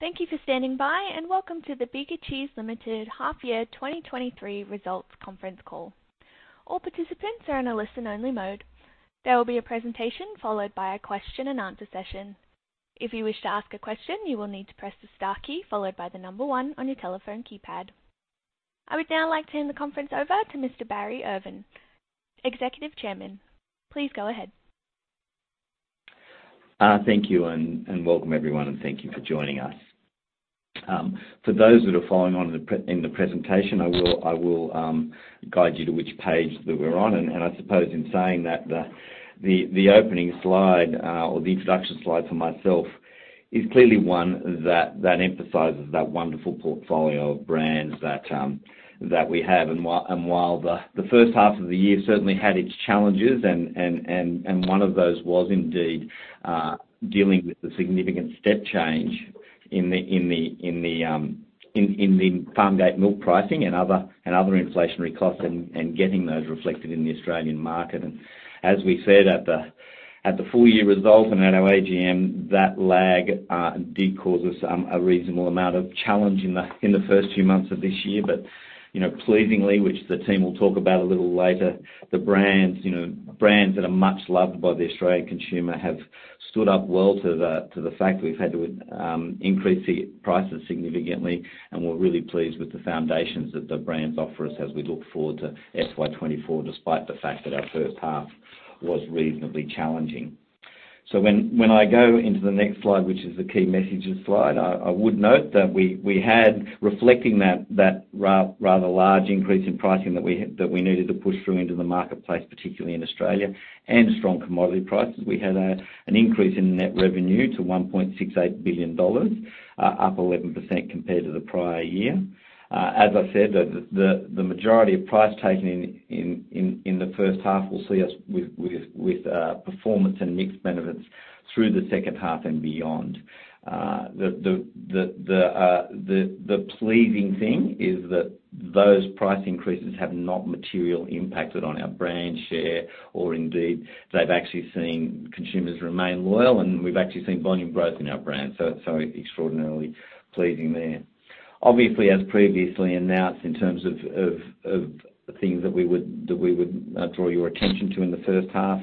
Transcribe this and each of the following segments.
Thank you for standing by, welcome to the Bega Cheese Limited half year 2023 results conference call. All participants are in a listen-only mode. There will be a presentation followed by a question-and-answer session. If you wish to ask a question, you will need to press the star key followed by one on your telephone keypad. I would now like to hand the conference over to Mr. Barry Irvin, Executive Chairman. Please go ahead. Thank you, and welcome everyone, and thank you for joining us. For those that are following on the presentation, I will guide you to which page that we're on. I suppose in saying that the opening slide or the introduction slide for myself is clearly one that emphasizes that wonderful portfolio of brands that we have. While the first half of the year certainly had its challenges and one of those was indeed dealing with the significant step change in the farmgate milk pricing and other inflationary costs and getting those reflected in the Australian market. As we said at the full year results and at our AGM, that lag did cause us a reasonable amount of challenge in the first few months of this year. You know, pleasingly, which the team will talk about a little later, the brands, you know, brands that are much loved by the Australian consumer have stood up well to the fact we've had to increase the prices significantly. We're really pleased with the foundations that the brands offer us as we look forward to FY 2024, despite the fact that our first half was reasonably challenging. When I go into the next slide, which is the key messages slide, I would note that we had reflecting that rather large increase in pricing that we needed to push through into the marketplace, particularly in Australia, and strong commodity prices. We had an increase in net revenue to 1.68 billion dollars, up 11% compared to the prior year. As I said, the pleasing thing is that those price increases have not materially impacted on our brand share or indeed they've actually seen consumers remain loyal, and we've actually seen volume growth in our brand. Extraordinarily pleasing there. Obviously, as previously announced, in terms of things that we would draw your attention to in the first half,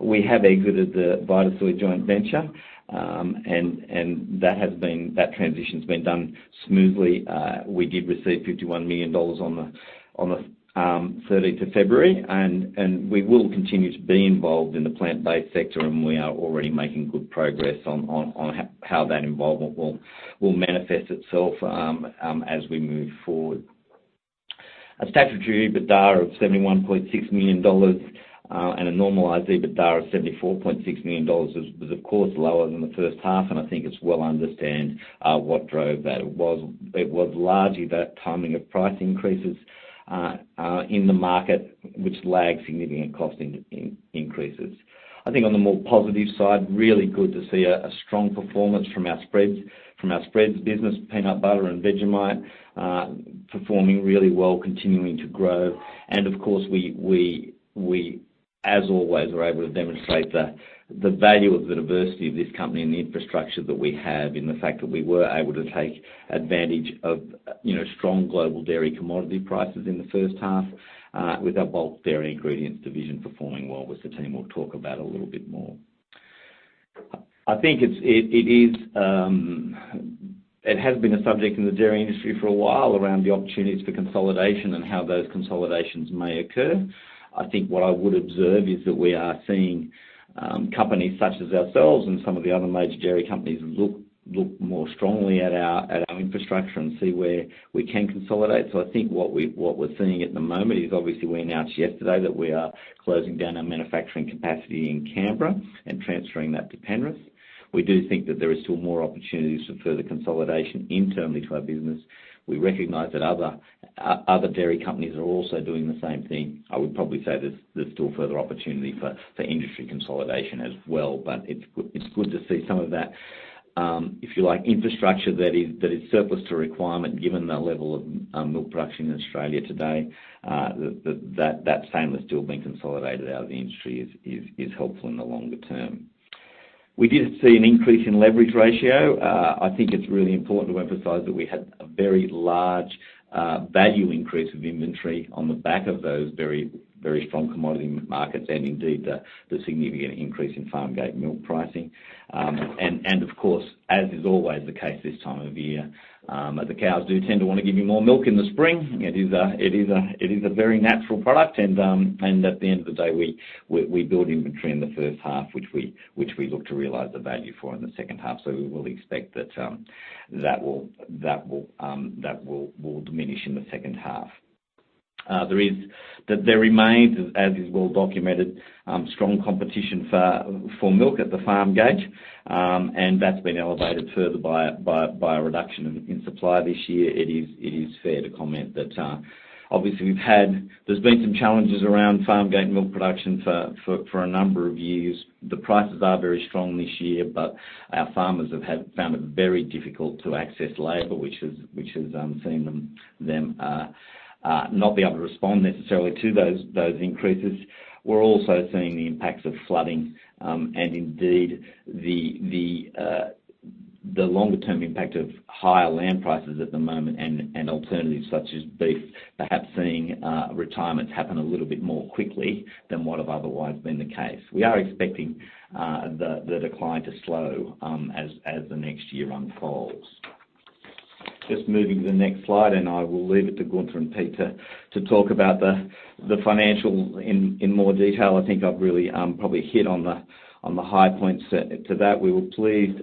we have exited the Vitasoy joint venture, that transition's been done smoothly. We did receive 51 million dollars on the 13th of February, and we will continue to be involved in the plant-based sector, and we are already making good progress on how that involvement will manifest itself as we move forward. A statutory EBITDA of 71.6 million dollars, and a normalized EBITDA of 74.6 million dollars was of course, lower than the first half, and I think it's well understand what drove that. It was largely that timing of price increases in the market, which lagged significant cost increases. I think on the more positive side, really good to see a strong performance from our spreads business, Peanut Butter and Vegemite, performing really well, continuing to grow. Of course, we, as always, were able to demonstrate the value of the diversity of this company and the infrastructure that we have in the fact that we were able to take advantage of, you know, strong global dairy commodity prices in the first half, with our bulk dairy ingredients division performing well, which the team will talk about a little bit more. I think it is, it has been a subject in the dairy industry for a while around the opportunities for consolidation and how those consolidations may occur. I think what I would observe is that we are seeing companies such as ourselves and some of the other major dairy companies look more strongly at our infrastructure and see where we can consolidate. I think what we're seeing at the moment is obviously we announced yesterday that we are closing down our manufacturing capacity in Canberra and transferring that to Penrith. We do think that there is still more opportunities for further consolidation internally to our business. We recognize that other dairy companies are also doing the same thing. I would probably say there's still further opportunity for industry consolidation as well. It's good to see some of that, if you like, infrastructure that is, that is surplus to requirement given the level of milk production in Australia today. That statement still being consolidated out of the industry is helpful in the longer term. We did see an increase in leverage ratio. I think it's really important to emphasize that we had a very large value increase of inventory on the back of those very, very strong commodity markets and indeed the significant increase in farmgate milk pricing. Of course, as is always the case this time of year, the cows do tend to want to give you more milk in the spring. It is a very natural product. At the end of the day, we build inventory in the first half, which we look to realize the value for in the second half. We will expect that will diminish in the second half. There remains as is well documented, strong competition for milk at the farmgate. That's been elevated further by a reduction in supply this year. It is fair to comment that obviously we've had, there's been some challenges around farmgate milk production for a number of years. The prices are very strong this year, but our farmers have found it very difficult to access labor, which has seen them not be able to respond necessarily to those increases. We're also seeing the impacts of flooding, indeed the longer term impact of higher land prices at the moment and alternatives such as beef, perhaps seeing retirements happen a little bit more quickly than what have otherwise been the case. We are expecting the decline to slow as the next year unfolds. Just moving to the next slide, I will leave it to Gunther and Pete to talk about the financial in more detail. I think I've really probably hit on the high points to that. We were pleased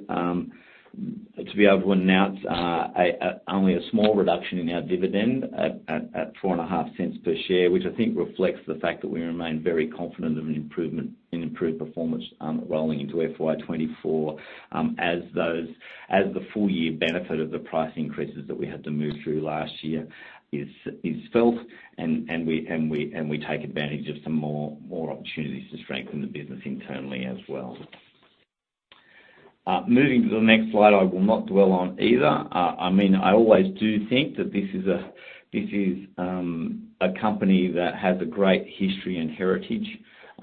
to be able to announce a only a small reduction in our dividend at 0.045 per share, which I think reflects the fact that we remain very confident of an improved performance rolling into FY 2024, as the full year benefit of the price increases that we had to move through last year is felt and we take advantage of some more opportunities to strengthen the business internally as well. Moving to the next slide, I will not dwell on either. I mean, I always do think that this is a company that has a great history and heritage,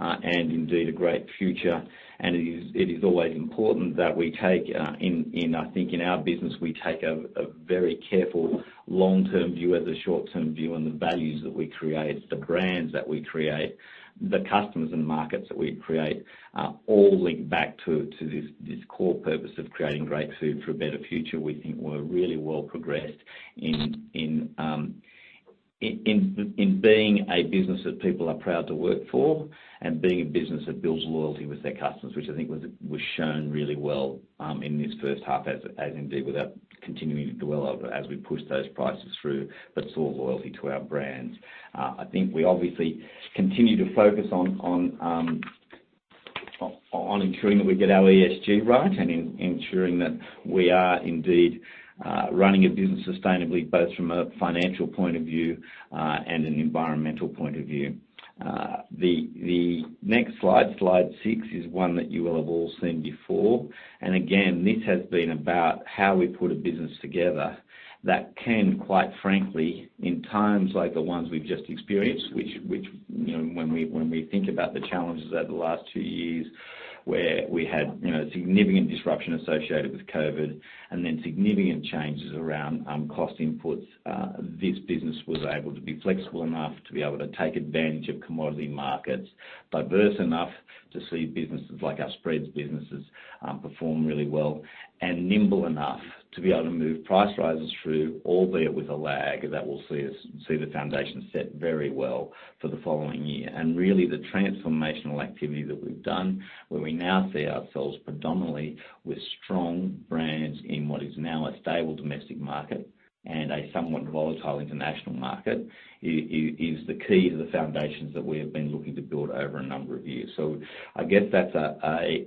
and indeed a great future. It is always important that we take in our thinking, our business, we take a very careful long-term view as a short-term view on the values that we create, the brands that we create, the customers and markets that we create, all link back to this core purpose of creating great food for a better future. We think we're really well progressed in being a business that people are proud to work for and being a business that builds loyalty with their customers, which I think was shown really well in this first half as indeed without continuing to dwell on as we push those prices through, but saw loyalty to our brands. I think we obviously continue to focus on ensuring that we get our ESG right, and ensuring that we are indeed, running a business sustainably, both from a financial point of view, and an environmental point of view. The next slide 6, is one that you will have all seen before. Again, this has been about how we put a business together that can, quite frankly, in times like the ones we've just experienced, which, you know, when we think about the challenges over the last two years, where we had, you know, significant disruption associated with COVID, and then significant changes around cost inputs, this business was able to be flexible enough to be able to take advantage of commodity markets, diverse enough to see businesses like our spreads businesses perform really well, and nimble enough to be able to move price rises through, albeit with a lag that will see the foundation set very well for the following year. Really the transformational activity that we've done, where we now see ourselves predominantly with strong brands in what is now a stable domestic market and a somewhat volatile international market, is the key to the foundations that we have been looking to build over a number of years. I guess that's a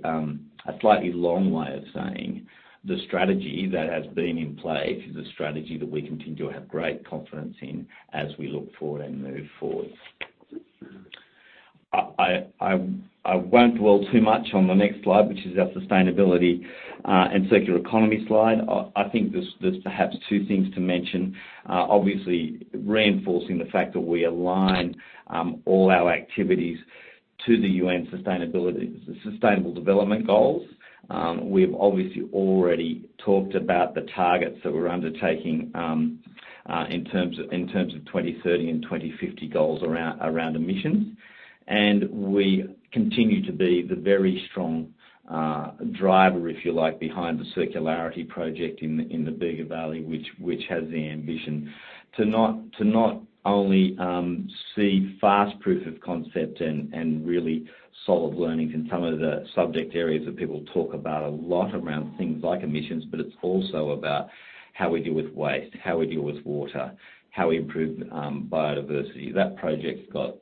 slightly long way of saying the strategy that has been in play is a strategy that we continue to have great confidence in as we look forward and move forward. I won't dwell too much on the next slide, which is our sustainability and circular economy slide. I think there's perhaps two things to mention, obviously reinforcing the fact that we align all our activities to the UN Sustainable Development Goals. We've obviously already talked about the targets that we're undertaking in terms of 2030 and 2050 goals around emissions. We continue to be the very strong driver, if you like, behind the circularity project in the Bega Valley, which has the ambition to not only see fast proof of concept and really solid learnings in some of the subject areas that people talk about a lot around things like emissions, but it's also about how we deal with waste, how we deal with water, how we improve biodiversity. That project's got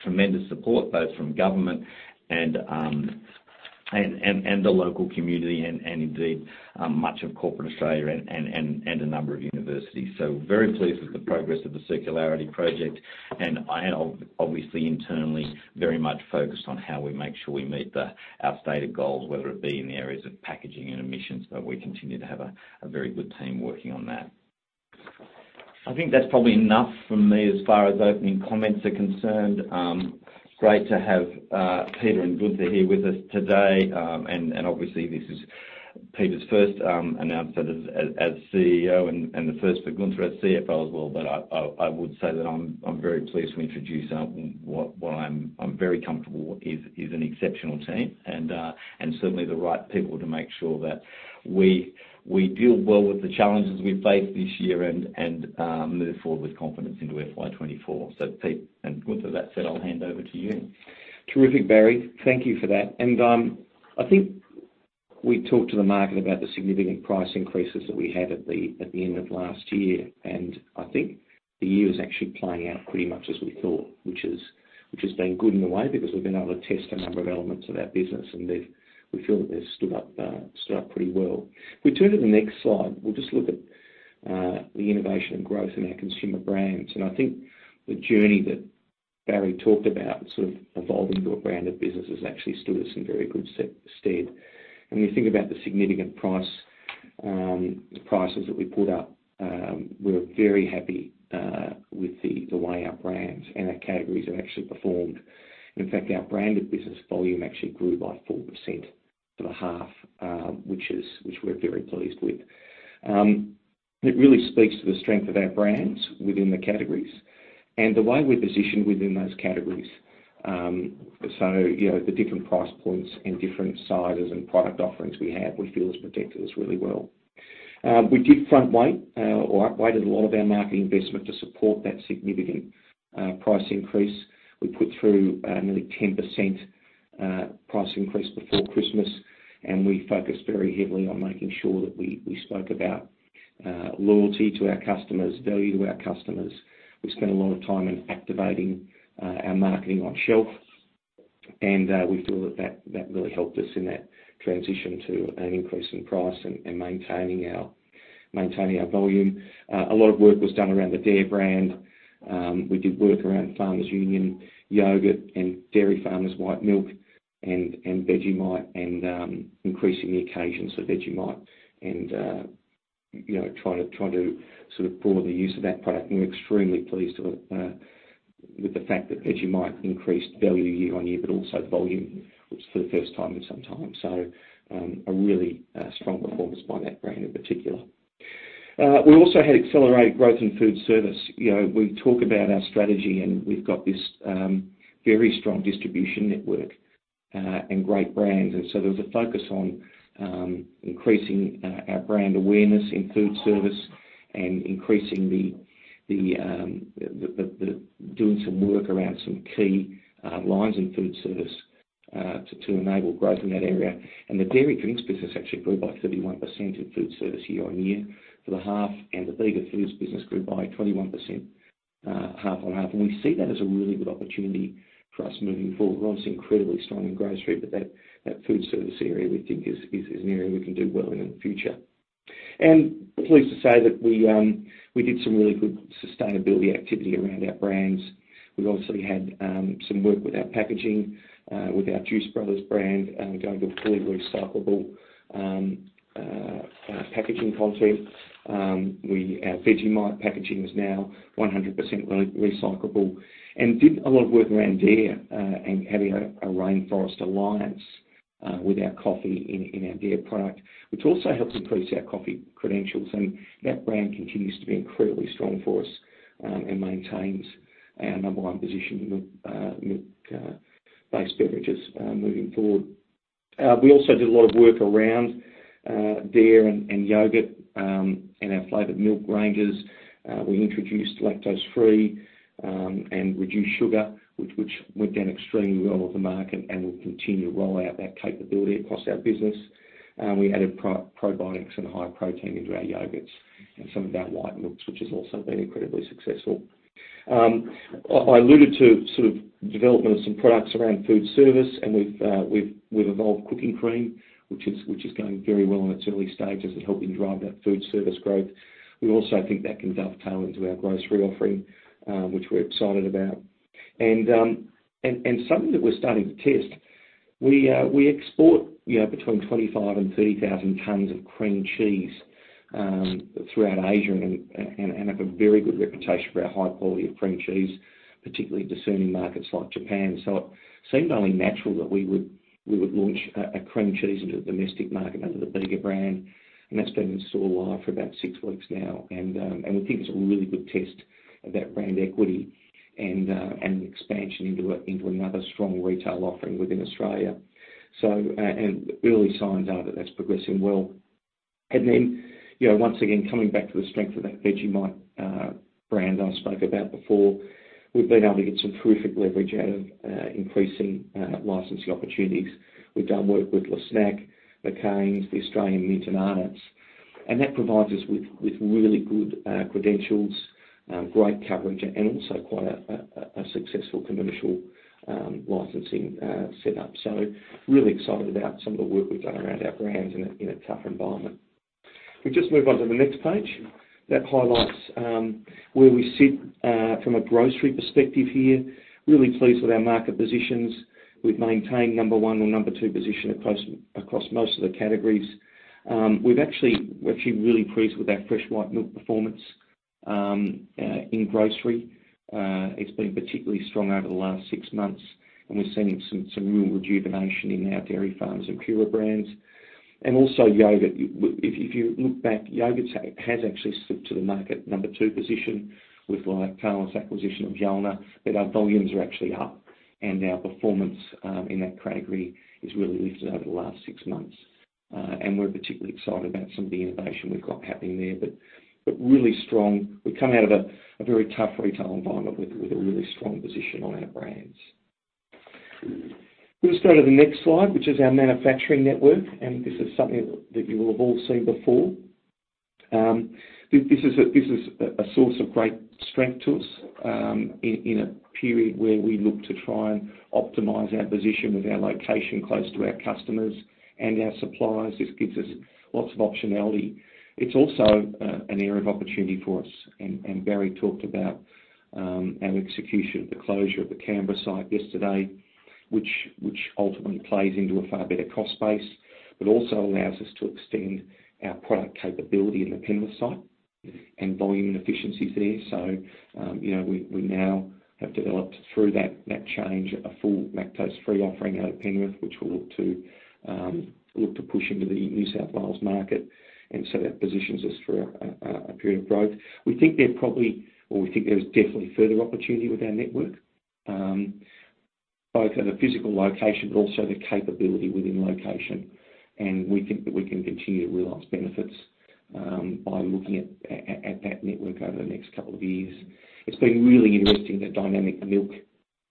tremendous support, both from government and the local community and indeed much of corporate Australia and a number of universities. Very pleased with the progress of the circularity project. I am obviously internally very much focused on how we make sure we meet our stated goals, whether it be in the areas of packaging and emissions, but we continue to have a very good team working on that. I think that's probably enough from me as far as opening comments are concerned. Great to have Peter and Gunther here with us today. Obviously, this is Peter's first announcement as CEO and the first for Gunther as CFO as well. I would say that I'm very pleased to introduce what I'm very comfortable with is an exceptional team and certainly the right people to make sure that we deal well with the challenges we face this year and move forward with confidence into FY 2024. Pete and Gunther, that said, I'll hand over to you. Terrific, Barry. Thank you for that. I think we talked to the market about the significant price increases that we had at the end of last year, and I think the year is actually playing out pretty much as we thought, which has been good in a way because we've been able to test a number of elements of our business, and we feel that they've stood up pretty well. If we turn to the next slide, we'll just look at the innovation and growth in our consumer brands. I think the journey that Barry talked about, sort of evolving to a brand of business has actually stood us in very good stead. When you think about the significant price, those prices that we put up, we're very happy with the way our brands and our categories have actually performed. In fact, our branded business volume actually grew by 4% for the half, which we're very pleased with. It really speaks to the strength of our brands within the categories and the way we're positioned within those categories. You know, the different price points and different sizes and product offerings we have, we feel has protected us really well. We did front-weight or up-weighted a lot of our marketing investment to support that significant price increase. We put through nearly 10% price increase before Christmas, we focused very heavily on making sure that we spoke about loyalty to our customers, value to our customers. We spent a lot of time in activating our marketing on shelf, we feel that that really helped us in that transition to an increase in price and maintaining our volume. A lot of work was done around the Dare brand. We did work around Farmers Union yogurt and Dairy Farmers white milk and Vegemite and increasing the occasions for Vegemite and, you know, trying to sort of grow the use of that product. We're extremely pleased with the fact that Vegemite increased value year-on-year, but also volume, which for the first time in some time. A really strong performance by that brand in particular. We also had accelerated growth in food service. You know, we talk about our strategy, and we've got this very strong distribution network and great brands. There was a focus on increasing our brand awareness in food service and increasing the doing some work around some key lines in food service to enable growth in that area. The dairy drinks business actually grew by 31% in food service year-on-year for the half, and the Bega Foods business grew by 21% half-on-half. We see that as a really good opportunity for us moving forward. We're obviously incredibly strong in grocery, but that food service area we think is an area we can do well in in the future. Pleased to say that we did some really good sustainability activity around our brands. We've obviously had some work with our packaging, with our Juice Brothers brand, going to a fully recyclable packaging content. Our Vegemite packaging is now 100% recyclable. Did a lot of work around Dare and having a Rainforest Alliance with our coffee in our Dare product, which also helps increase our coffee credentials. That brand continues to be incredibly strong for us and maintains our number one position in milk based beverages moving forward. We also did a lot of work around Dare and yogurt and our flavored milk ranges. We introduced lactose-free and reduced sugar, which went down extremely well with the market and we'll continue to roll out that capability across our business. We added probiotics and high protein into our yogurts and some of our white milks, which has also been incredibly successful. I alluded to sort of development of some products around food service, and we've evolved cooking cream, which is going very well in its early stages in helping drive that food service growth. We also think that can dovetail into our grocery offering, which we're excited about. Something that we're starting to test, we export, you know, between 25,000 and 30,000 tons of cream cheese throughout Asia and have a very good reputation for our high quality of cream cheese, particularly discerning markets like Japan. It seemed only natural that we would launch a cream cheese into the domestic market under the Bega brand. That's been in store live for about six weeks now. We think it's a really good test of that brand equity and expansion into another strong retail offering within Australia. Early signs are that that's progressing well. You know, once again, coming back to the strength of that Vegemite brand I spoke about before, we've been able to get some terrific leverage out of increasing licensing opportunities. We've done work with Le Snak, McCain, the Australian Mint and Arnott's, that provides us with really good credentials, great coverage and also quite a successful commercial licensing setup. Really excited about some of the work we've done around our brands in a tougher environment. We just move on to the next page. That highlights where we sit from a grocery perspective here. Really pleased with our market positions. We've maintained number one or number two position across most of the categories. We're actually really pleased with our fresh white milk performance in grocery. It's been particularly strong over the last six months, and we're seeing some real rejuvenation in our Dairy Farmers and Pura brands. Also yogurt. If you look back, yogurt has actually slipped to the market number two position with, like, Lactalis' acquisition of Jalna, that our volumes are actually up and our performance in that category has really lifted over the last six months. We're particularly excited about some of the innovation we've got happening there. Really strong. We've come out of a very tough retail environment with a really strong position on our brands. We'll just go to the next slide, which is our manufacturing network, and this is something that you will have all seen before. This is a source of great strength to us in a period where we look to try and optimize our position with our location close to our customers and our suppliers. This gives us lots of optionality. It's also an area of opportunity for us, and Barry talked about our execution of the closure of the Canberra site yesterday, which ultimately plays into a far better cost base, but also allows us to extend our product capability in the Penrith site and volume and efficiencies there. You know, we now have developed through that change a full lactose-free offering out of Penrith, which we'll look to push into the New South Wales market. That positions us for a period of growth. We think there's probably, or we think there's definitely further opportunity with our network, both at a physical location, but also the capability within location. We think that we can continue to realize benefits by looking at that network over the next couple of years. It's been really interesting, the dynamic milk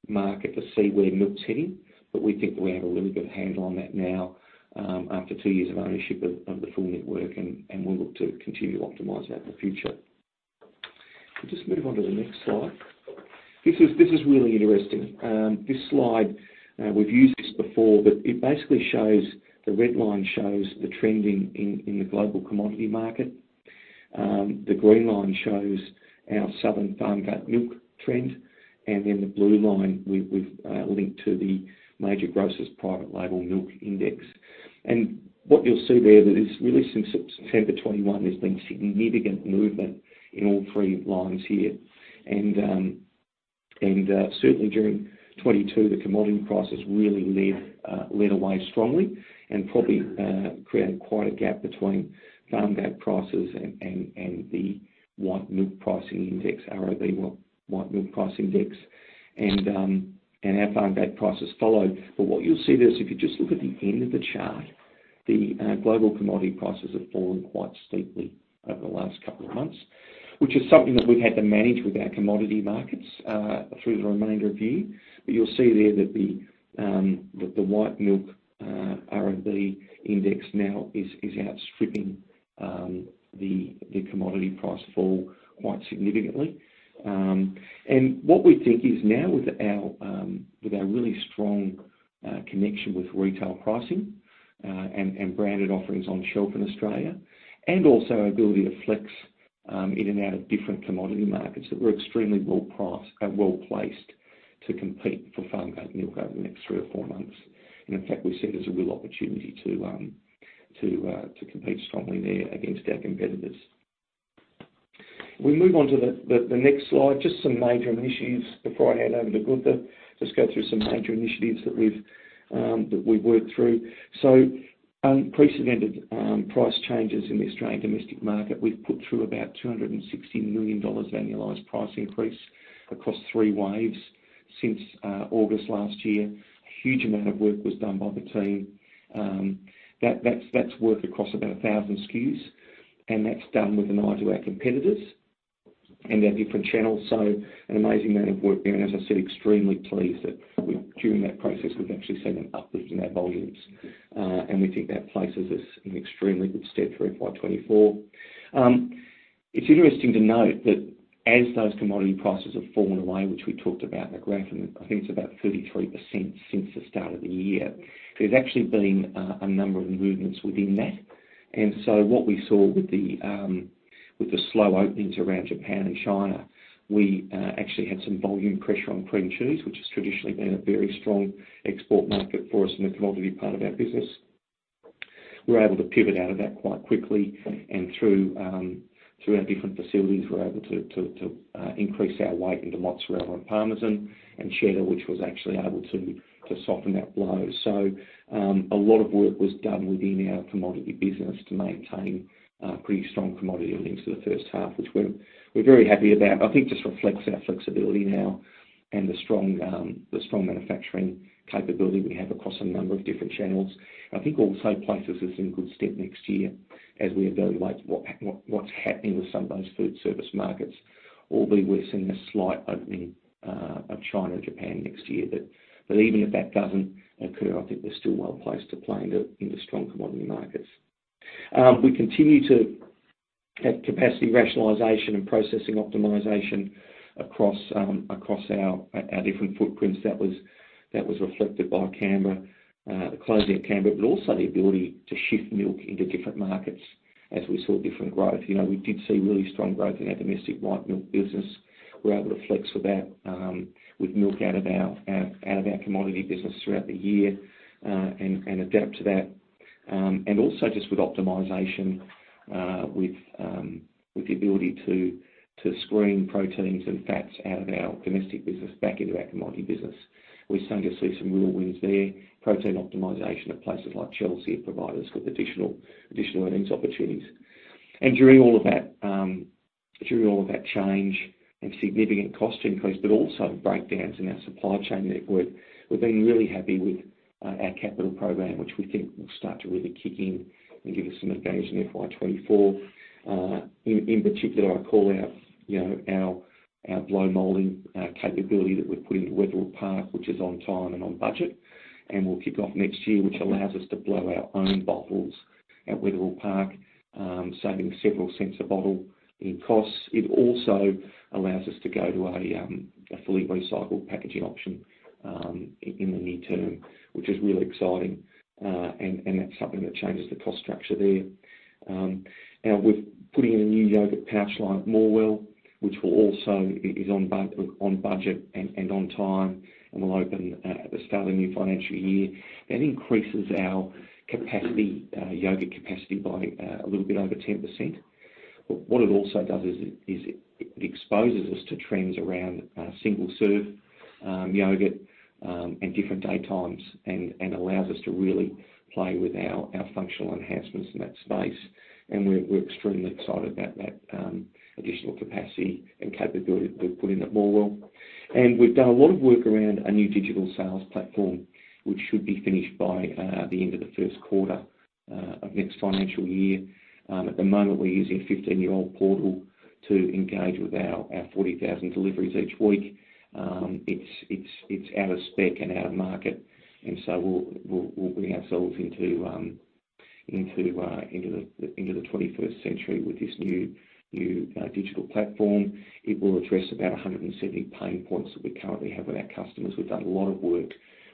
market, to see where milk's heading, but we think that we have a really good handle on that now, after two years of ownership of the full network, and we look to continue to optimize that in the future. If we just move on to the next slide. This is really interesting. This slide, we've used this before, but it basically shows... the red line shows the trending in the global commodity market. The green line shows our southern farmgate milk trend, and then the blue line we've linked to the major grocers' private label milk index. What you'll see there that is really since September 2021, there's been significant movement in all three lines here. Certainly during 2022, the commodity prices really led away strongly and probably created quite a gap between farmgate prices and the white milk pricing index, RBW white milk price index. Our farmgate prices followed. What you'll see there is if you just look at the end of the chart, the global commodity prices have fallen quite steeply over the last couple of months, which is something that we've had to manage with our commodity markets through the remainder of the year. You'll see there that the white milk RB index now is outstripping the commodity price fall quite significantly. What we think is now with our really strong connection with retail pricing and branded offerings on shelf in Australia, and also our ability to flex in and out of different commodity markets, that we're extremely well-placed to compete for farm gate milk over the next three or four months. In fact, we see it as a real opportunity to compete strongly there against our competitors. If we move on to the next slide, just some major initiatives before I hand over to Gunther. Just go through some major initiatives that we've worked through. Unprecedented price changes in the Australian domestic market. We've put through about 260 million dollars annualized price increase across 3 waves since August last year. A huge amount of work was done by the team. That's work across about 1,000 SKUs, and that's done with an eye to our competitors and our different channels. An amazing amount of work there, and as I said, extremely pleased that we've, during that process, we've actually seen an uplift in our volumes. We think that places us in extremely good stead for FY 2024. It's interesting to note that as those commodity prices have fallen away, which we talked about in the graph, and I think it's about 33% since the start of the year, there's actually been a number of movements within that. What we saw with the slow openings around Japan and China, we actually had some volume pressure on cream cheese, which has traditionally been a very strong export market for us in the commodity part of our business. We were able to pivot out of that quite quickly, and through our different facilities, we were able to increase our weight into mozzarella and Parmesan and cheddar, which was actually able to soften that blow. A lot of work was done within our commodity business to maintain pretty strong commodity earnings for the first half, which we're very happy about. I think just reflects our flexibility now and the strong manufacturing capability we have across a number of different channels. I think also places us in good stead next year as we evaluate what's happening with some of those food service markets, albeit we're seeing a slight opening of China and Japan next year. Even if that doesn't occur, I think we're still well placed to play into strong commodity markets. We continue to have capacity rationalization and processing optimization across our different footprints. That was reflected by Canberra, the closing of Canberra, also the ability to shift milk into different markets as we saw different growth. You know, we did see really strong growth in our domestic white milk business. We were able to flex with that, with milk out of our commodity business throughout the year, and adapt to that. Also just with optimization, with the ability to screen proteins and fats out of our domestic business back into our commodity business. We're starting to see some real wins there. Protein optimization at places like Chelsea have provided us with additional earnings opportunities. During all of that, during all of that change and significant cost increase, but also breakdowns in our supply chain network, we're being really happy with our capital program, which we think will start to really kick in and give us some advantage in FY 2024. In particular, I call out, you know, our blow molding capability that we've put into Wetherill Park, which is on time and on budget. We'll kick off next year, which allows us to blow our own bottles at Wetherill Park, saving several cents a bottle in costs. It also allows us to go to a fully recycled packaging option in the near term, which is really exciting. And that's something that changes the cost structure there. Now with putting in a new yogurt pouch line at Morwell, which will also is on budget and on time, and will open at the start of the new financial year. That increases our capacity, yogurt capacity by a little bit over 10%. What it also does is it exposes us to trends around single serve yogurt and different day times, and allows us to really play with our functional enhancements in that space. We're extremely excited about that additional capacity and capability we're putting at Morwell. We've done a lot of work around a new digital sales platform, which should be finished by the end of the first quarter of next financial year. At the moment, we're using a 15-year-old portal to engage with our 40,000 deliveries each week. It's out of spec and out of market, we'll bring ourselves into the 21st century with this new digital platform. It will address about 170 pain points that we currently have with our customers. We've done a lot of work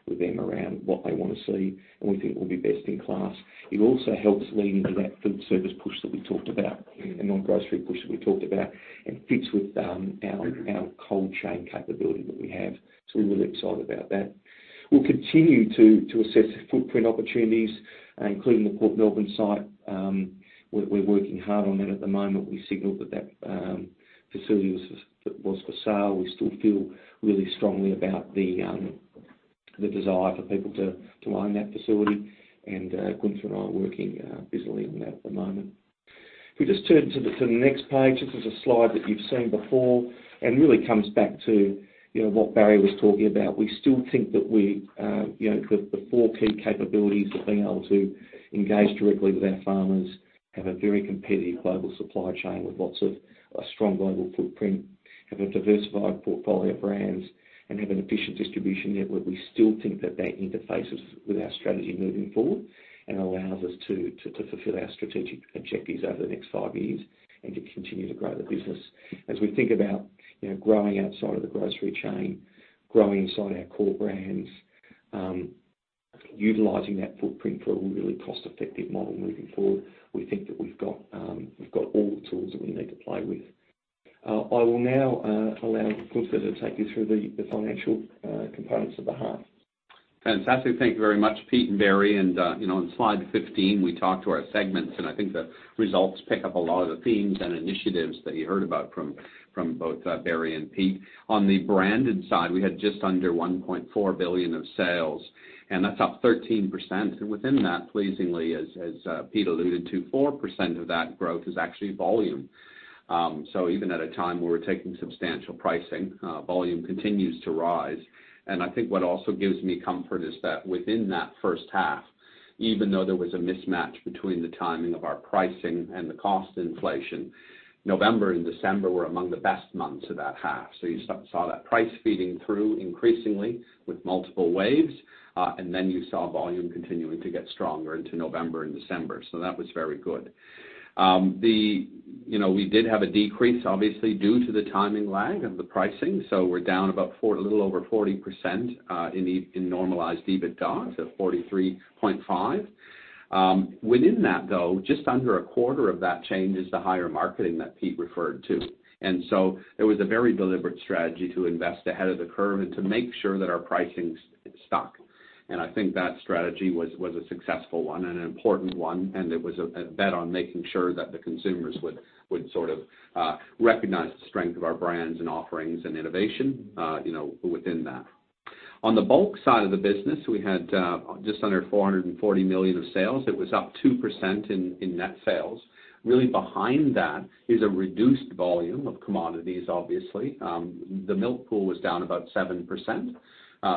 with them around what they wanna see, we think we'll be best in class. It also helps lead into that food service push that we talked about and non-grocery push that we talked about, fits with our cold chain capability that we have. We're really excited about that. We'll continue to assess footprint opportunities, including the Port Melbourne site. We're, we're working hard on that at the moment. We signaled that that facility was for sale. We still feel really strongly about the desire for people to own that facility. And Gunther and I are working busily on that at the moment. If we just turn to the, to the next page, this is a slide that you've seen before and really comes back to, you know, what Barry was talking about. We still think that we, you know, the four key capabilities of being able to engage directly with our farmers, have a very competitive global supply chain with lots of a strong global footprint, have a diversified portfolio of brands, and have an efficient distribution network, we still think that that interfaces with our strategy moving forward and allows us to fulfill our strategic objectives over the next five years and to continue to grow the business. As we think about, you know, growing outside of the grocery chain, growing inside our core brands, utilizing that footprint for a really cost-effective model moving forward, we think that we've got all the tools that we need to play with. I will now allow Gunther to take you through the financial components of the half. Fantastic. Thank you very much, Pete and Barry. You know, on slide 15, we talk to our segments, and I think the results pick up a lot of the themes and initiatives that you heard about from both Barry and Pete. On the branded side, we had just under 1.4 billion of sales, and that's up 13%. Within that, pleasingly, as Pete alluded to, 4% of that growth is actually volume. Even at a time where we're taking substantial pricing, volume continues to rise. I think what also gives me comfort is that within that first half, even though there was a mismatch between the timing of our pricing and the cost inflation, November and December were among the best months of that half. You saw that price feeding through increasingly with multiple waves, you saw volume continuing to get stronger into November and December. That was very good. You know, we did have a decrease, obviously, due to the timing lag and the pricing, so we're down about a little over 40% in normalized EBITDA, so 43.5%. Within that, though, just under a quarter of that change is the higher marketing that Pete referred to. It was a very deliberate strategy to invest ahead of the curve and to make sure that our pricing stuck. I think that strategy was a successful one and an important one, and it was a bet on making sure that the consumers would sort of recognize the strength of our brands and offerings and innovation, you know, within that. On the bulk side of the business, we had just under 440 million of sales. It was up 2% in net sales. Really behind that is a reduced volume of commodities, obviously. The milk pool was down about 7%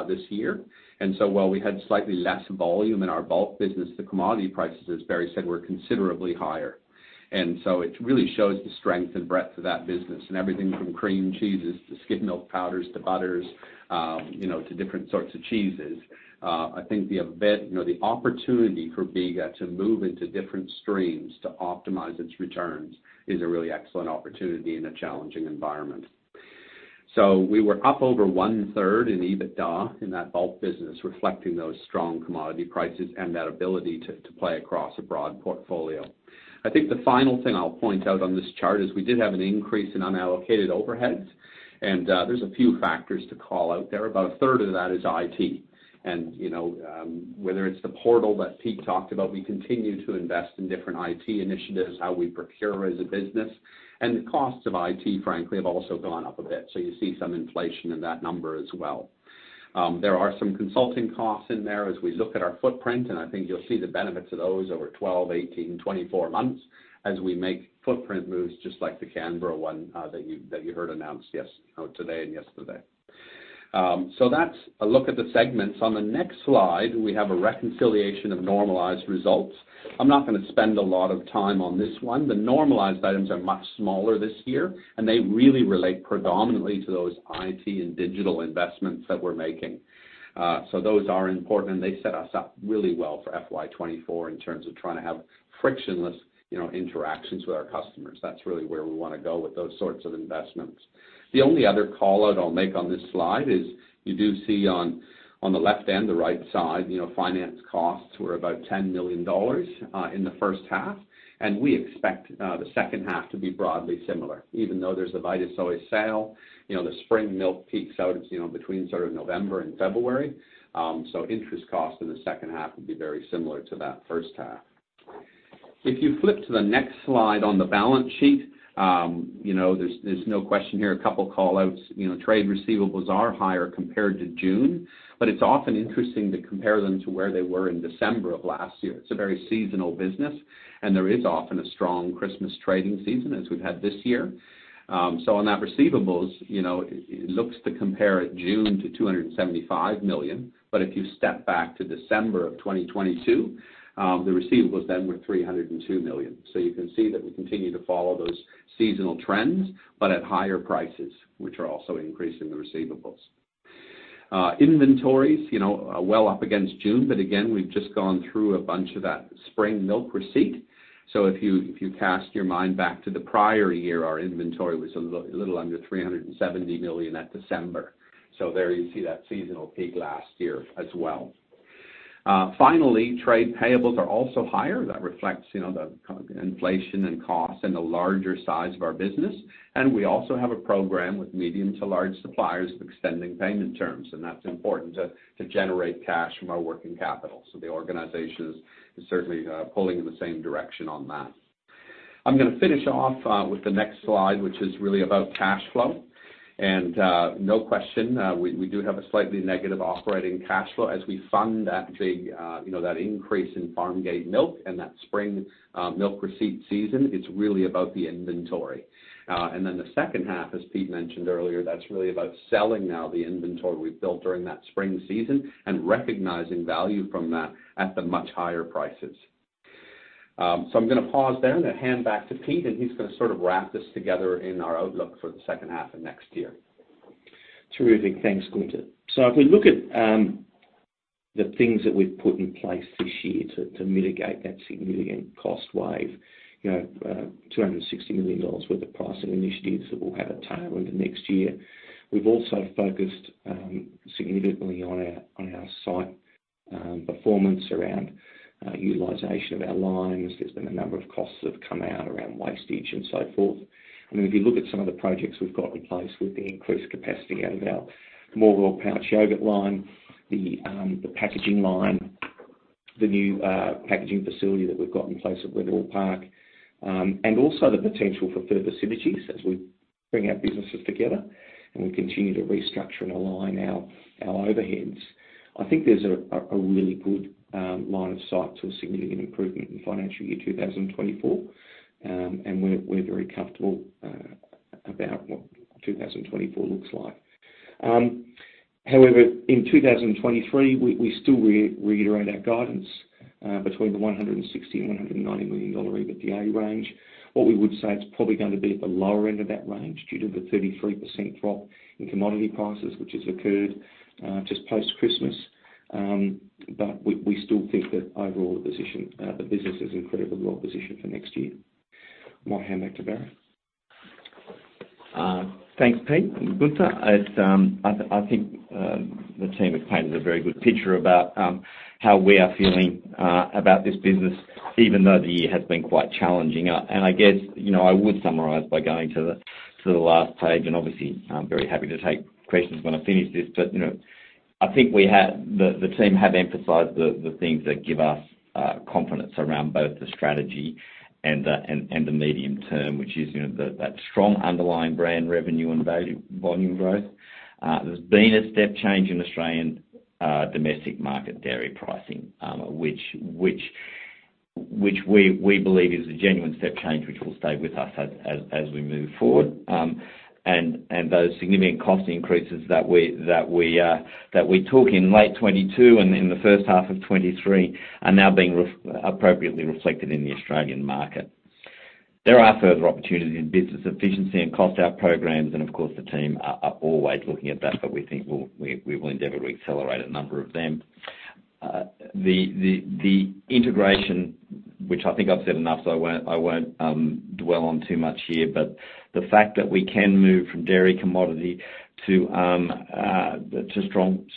this year. While we had slightly less volume in our bulk business, the commodity prices, as Barry said, were considerably higher. It really shows the strength and breadth of that business and everything from cream cheeses to skim milk powders to butters, you know, to different sorts of cheeses. I think you know, the opportunity for Bega to move into different streams to optimize its returns is a really excellent opportunity in a challenging environment. We were up over one-third in EBITDA in that bulk business, reflecting those strong commodity prices and that ability to play across a broad portfolio. The final thing I'll point out on this chart is we did have an increase in unallocated overheads, and there's a few factors to call out there. About a third of that is IT. You know, whether it's the portal that Pete talked about, we continue to invest in different IT initiatives, how we procure as a business, and the costs of IT, frankly, have also gone up a bit. You see some inflation in that number as well. There are some consulting costs in there as we look at our footprint, I think you'll see the benefits of those over 12, 18, 24 months as we make footprint moves just like the Canberra one that you heard announced today and yesterday. That's a look at the segments. On the next slide, we have a reconciliation of normalized results. I'm not gonna spend a lot of time on this one. The normalized items are much smaller this year, they really relate predominantly to those IT and digital investments that we're making. Those are important, they set us up really well for FY 2024 in terms of trying to have frictionless, you know, interactions with our customers. That's really where we wanna go with those sorts of investments. The only other call out I'll make on this slide is you do see on the left and the right side, you know, finance costs were about 10 million dollars in the first half. We expect the second half to be broadly similar. Even though there's a Vitasoy sale, you know, the spring milk peaks out, you know, between sort of November and February, interest costs in the second half will be very similar to that first half. If you flip to the next slide on the balance sheet, you know, there's no question here, a couple of call-outs. You know, trade receivables are higher compared to June. It's often interesting to compare them to where they were in December of last year. It's a very seasonal business. There is often a strong Christmas trading season as we've had this year. On that receivables, you know, it looks to compare at June to 275 million, but if you step back to December of 2022, the receivables then were 302 million. You can see that we continue to follow those seasonal trends, but at higher prices, which are also increasing the receivables. Inventories, you know, are well up against June, but again, we've just gone through a bunch of that spring milk receipt. If you, if you cast your mind back to the prior year, our inventory was a little under 370 million at December. There you see that seasonal peak last year as well. Finally, trade payables are also higher. That reflects, you know, the kind of inflation and costs and the larger size of our business. We also have a program with medium to large suppliers extending payment terms, and that's important to generate cash from our working capital. The organization is certainly pulling in the same direction on that. I'm gonna finish off with the next slide, which is really about cash flow. No question, we do have a slightly negative operating cash flow as we fund that big, you know, that increase in farmgate milk and that spring milk receipt season, it's really about the inventory. The second half, as Pete mentioned earlier, that's really about selling now the inventory we've built during that spring season and recognizing value from that at the much higher prices. I'm gonna pause there. I'm gonna hand back to Pete, and he's gonna sort of wrap this together in our outlook for the second half of next year. Terrific. Thanks, Gunther. If we look at the things that we've put in place this year to mitigate that significant cost wave, you know, 260 million dollars worth of pricing initiatives that will have a tail into next year. We've also focused significantly on our, on our site performance around utilization of our lines. There's been a number of costs that have come out around wastage and so forth. I mean, if you look at some of the projects we've got in place with the increased capacity out of our Morwell pouch yogurt line, the packaging line, the new packaging facility that we've got in place at Wetherill Park, and also the potential for further synergies as we bring our businesses together and we continue to restructure and align our overheads, I think there's a really good line of sight to a significant improvement in financial year 2024. We're very comfortable about what 2024 looks like. However, in 2023, we still reiterate our guidance between the 160 million dollar and 190 million dollar EBITDA range. What we would say it's probably gonna be at the lower end of that range due to the 33% drop in commodity prices, which has occurred just post-Christmas. We still think that overall the position, the business is incredibly well positioned for next year. I'm gonna hand back to Barry. Thanks, Pete and Gunther. It's, I think, the team has painted a very good picture about how we are feeling about this business, even though the year has been quite challenging. I guess, you know, I would summarize by going to the last page, and obviously, I'm very happy to take questions when I finish this. You know, I think we have the team have emphasized the things that give us confidence around both the strategy and the medium term, which is, you know, that strong underlying brand revenue and value volume growth. There's been a step change in Australian domestic market dairy pricing, which we believe is a genuine step change which will stay with us as we move forward. Those significant cost increases that we took in late 2022 and in the first half of 2023 are now being appropriately reflected in the Australian market. There are further opportunities in business efficiency and cost out programs. Of course, the team are always looking at that. We think we will endeavor to accelerate a number of them. The integration, which I think I've said enough, so I won't dwell on too much here. The fact that we can move from dairy commodity to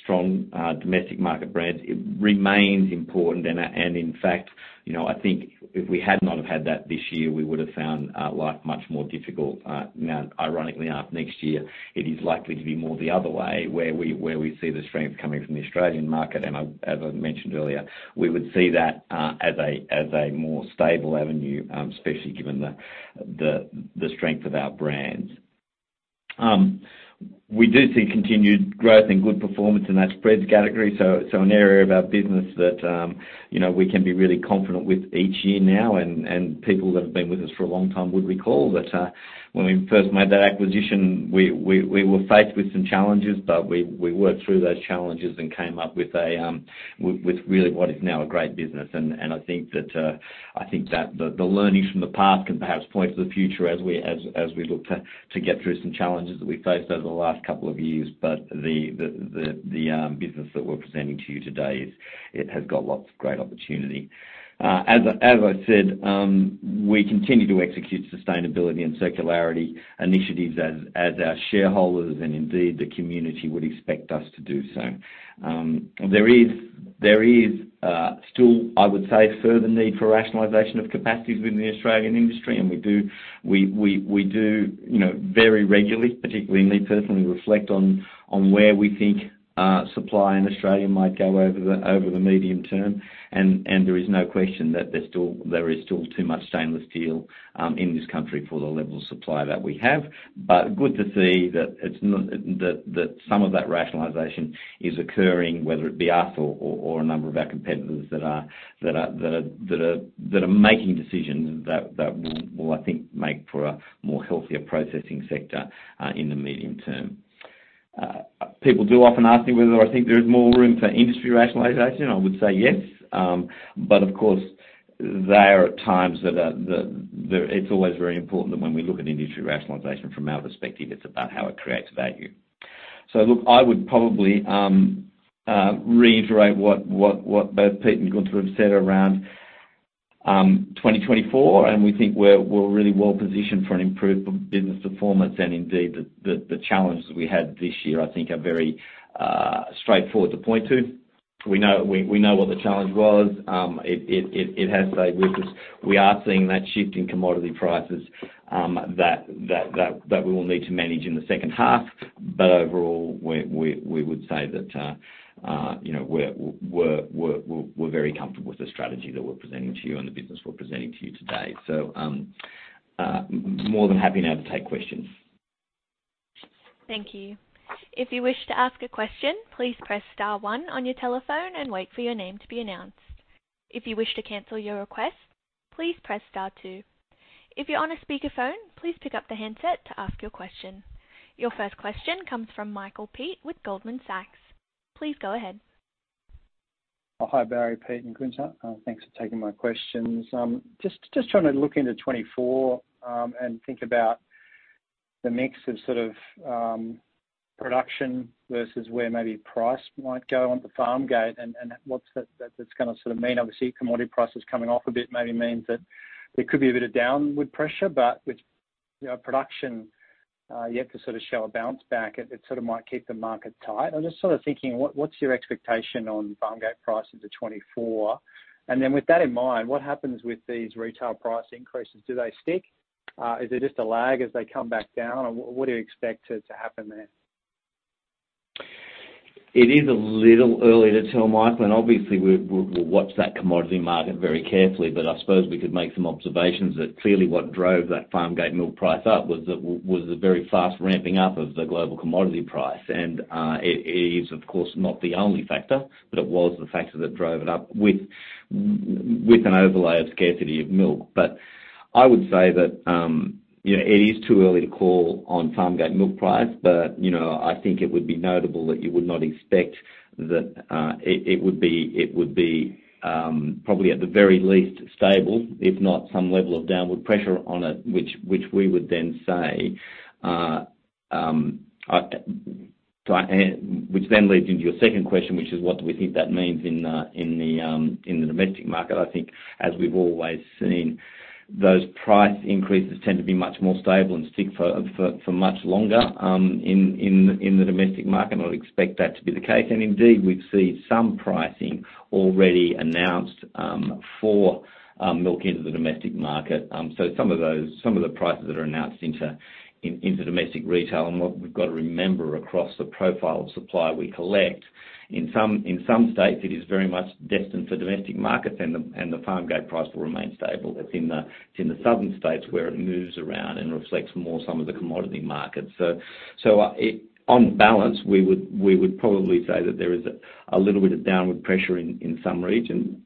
strong domestic market brands, it remains important. In fact, you know, I think if we had not have had that this year, we would have found life much more difficult. Ironically enough, next year it is likely to be more the other way, where we see the strength coming from the Australian market, and as I mentioned earlier, we would see that as a more stable avenue, especially given the strength of our brands. We do see continued growth and good performance in that spreads category, so an area of our business that, you know, we can be really confident with each year now, and people that have been with us for a long time would recall that, you know When we first made that acquisition, we were faced with some challenges, but we worked through those challenges and came up with a really what is now a great business. I think that the learnings from the past can perhaps point to the future as we look to get through some challenges that we faced over the last couple of years. The business that we're presenting to you today is, it has got lots of great opportunity. As I said, we continue to execute sustainability and circularity initiatives as our shareholders and indeed the community would expect us to do so. There is still, I would say, further need for rationalization of capacities within the Australian industry. We do, you know, very regularly, particularly me personally, reflect on where we think supply in Australia might go over the medium-term. There is no question that there is still too much stainless steel in this country for the level of supply that we have. Good to see that some of that rationalization is occurring, whether it be us or a number of our competitors that are making decisions that will, I think, make for a more healthier processing sector in the medium-term. People do often ask me whether I think there is more room for industry rationalization. I would say yes. Of course, there are times that it's always very important that when we look at industry rationalization from our perspective, it's about how it creates value. Look, I would probably reiterate what both Pete and Gunther have said around 2024, and we think we're really well positioned for an improved business performance. Indeed, the challenges we had this year, I think are very straightforward to point to. We know what the challenge was. It has stayed with us. We are seeing that shift in commodity prices that we will need to manage in the second half. Overall, we would say that, you know, we're very comfortable with the strategy that we're presenting to you and the business we're presenting to you today. More than happy now to take questions. Thank you. If you wish to ask a question, please press star 1 on your telephone and wait for your name to be announced. If you wish to cancel your request, please press star 2. If you're on a speakerphone, please pick up the handset to ask your question. Your first question comes from Michael Peet with Goldman Sachs. Please go ahead. Hi, Barry, Pete, and Gunther. Thanks for taking my questions. Just trying to look into 2024 and think about the mix of sort of production versus where maybe price might go on the farmgate and what's that's gonna sort of mean. Obviously, commodity prices coming off a bit maybe means that there could be a bit of downward pressure, but with, you know, production, yet to sort of show a bounce back, it sort of might keep the market tight. I'm just sort of thinking, what's your expectation on farmgate prices of 2024? With that in mind, what happens with these retail price increases? Do they stick? Is it just a lag as they come back down, or what do you expect to happen there? It is a little early to tell, Michael. Obviously we'll watch that commodity market very carefully, but I suppose we could make some observations that clearly what drove that farmgate milk price up was the very fast ramping up of the global commodity price. It is, of course, not the only factor, but it was the factor that drove it up with an overlay of scarcity of milk. I would say that, you know, it is too early to call on farmgate milk price, but, you know, I think it would be notable that you would not expect that it would be, probably at the very least stable, if not some level of downward pressure on it, which we would then say. Which then leads into your second question, which is what do we think that means in the domestic market? I think as we've always seen, those price increases tend to be much more stable and stick for much longer in the domestic market. I would expect that to be the case. Indeed, we've seen some pricing already announced for milk into the domestic market. Some of those, some of the prices that are announced into domestic retail and what we've got to remember across the profile of supply we collect, in some states, it is very much destined for domestic markets and the farmgate price will remain stable. It's in the southern states where it moves around and reflects more some of the commodity markets. On balance, we would probably say that there is a little bit of downward pressure in some regions.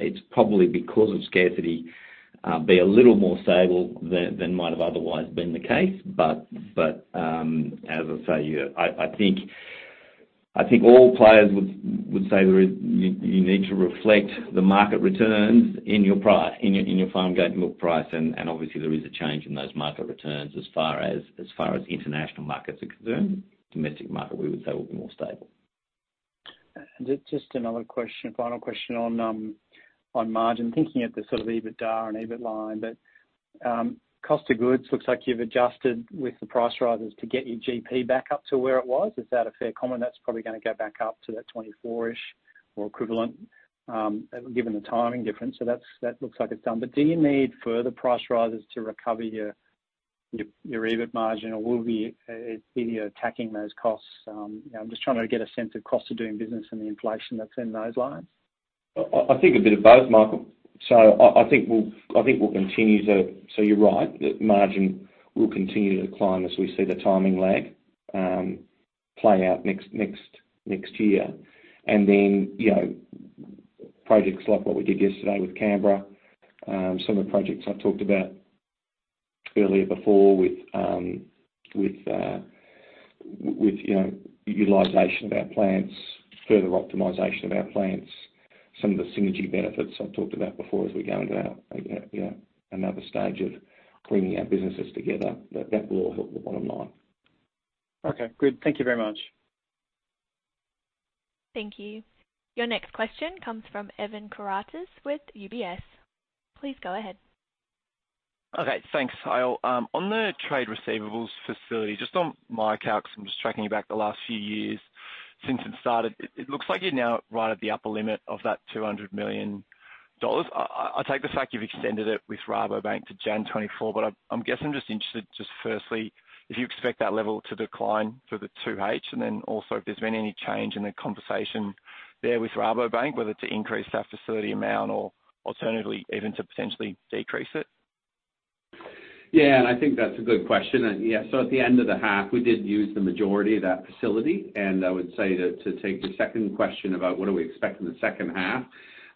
It's probably because of scarcity, be a little more stable than might have otherwise been the case. As I say, I think all players would say there is. You need to reflect the market returns in your price, in your farmgate milk price, and obviously there is a change in those market returns as far as international markets are concerned. Domestic market, we would say, will be more stable. Just another question, final question on margin. Thinking at the sort of EBITDA and EBIT line, cost of goods, looks like you've adjusted with the price rises to get your GP back up to where it was. Is that a fair comment? That's probably gonna go back up to that 24-ish or equivalent, given the timing difference. That's, that looks like it's done. Do you need further price rises to recover your EBIT margin, or will the, either you're attacking those costs? I'm just trying to get a sense of cost of doing business and the inflation that's in those lines. I think a bit of both, Michael. I think we'll continue to... You're right, that margin will continue to climb as we see the timing lag play out next year. Then, you know... Projects like what we did yesterday with Canberra. some of the projects I've talked about earlier before with, with, you know, utilization of our plants, further optimization of our plants, some of the synergy benefits I've talked about before as we go into our, you know, another stage of bringing our businesses together. That will all help the bottom line. Okay, good. Thank you very much. Thank you. Your next question comes from Evan Karatzas with UBS. Please go ahead. Okay, thanks. I'll, on the trade receivables facility, just on my calc, because I'm tracking back the last few years since it started, it looks like you're now right at the upper limit of that 200 million dollars. I take the fact you've extended it with Rabobank to January 2024, but I'm guessing, I'm just interested firstly, if you expect that level to decline for the 2H? Also if there's been any change in the conversation there with Rabobank, whether to increase that facility amount or alternatively even to potentially decrease it? Yeah. I think that's a good question. At the end of the half, we did use the majority of that facility. I would say to take your second question about what do we expect in the second half,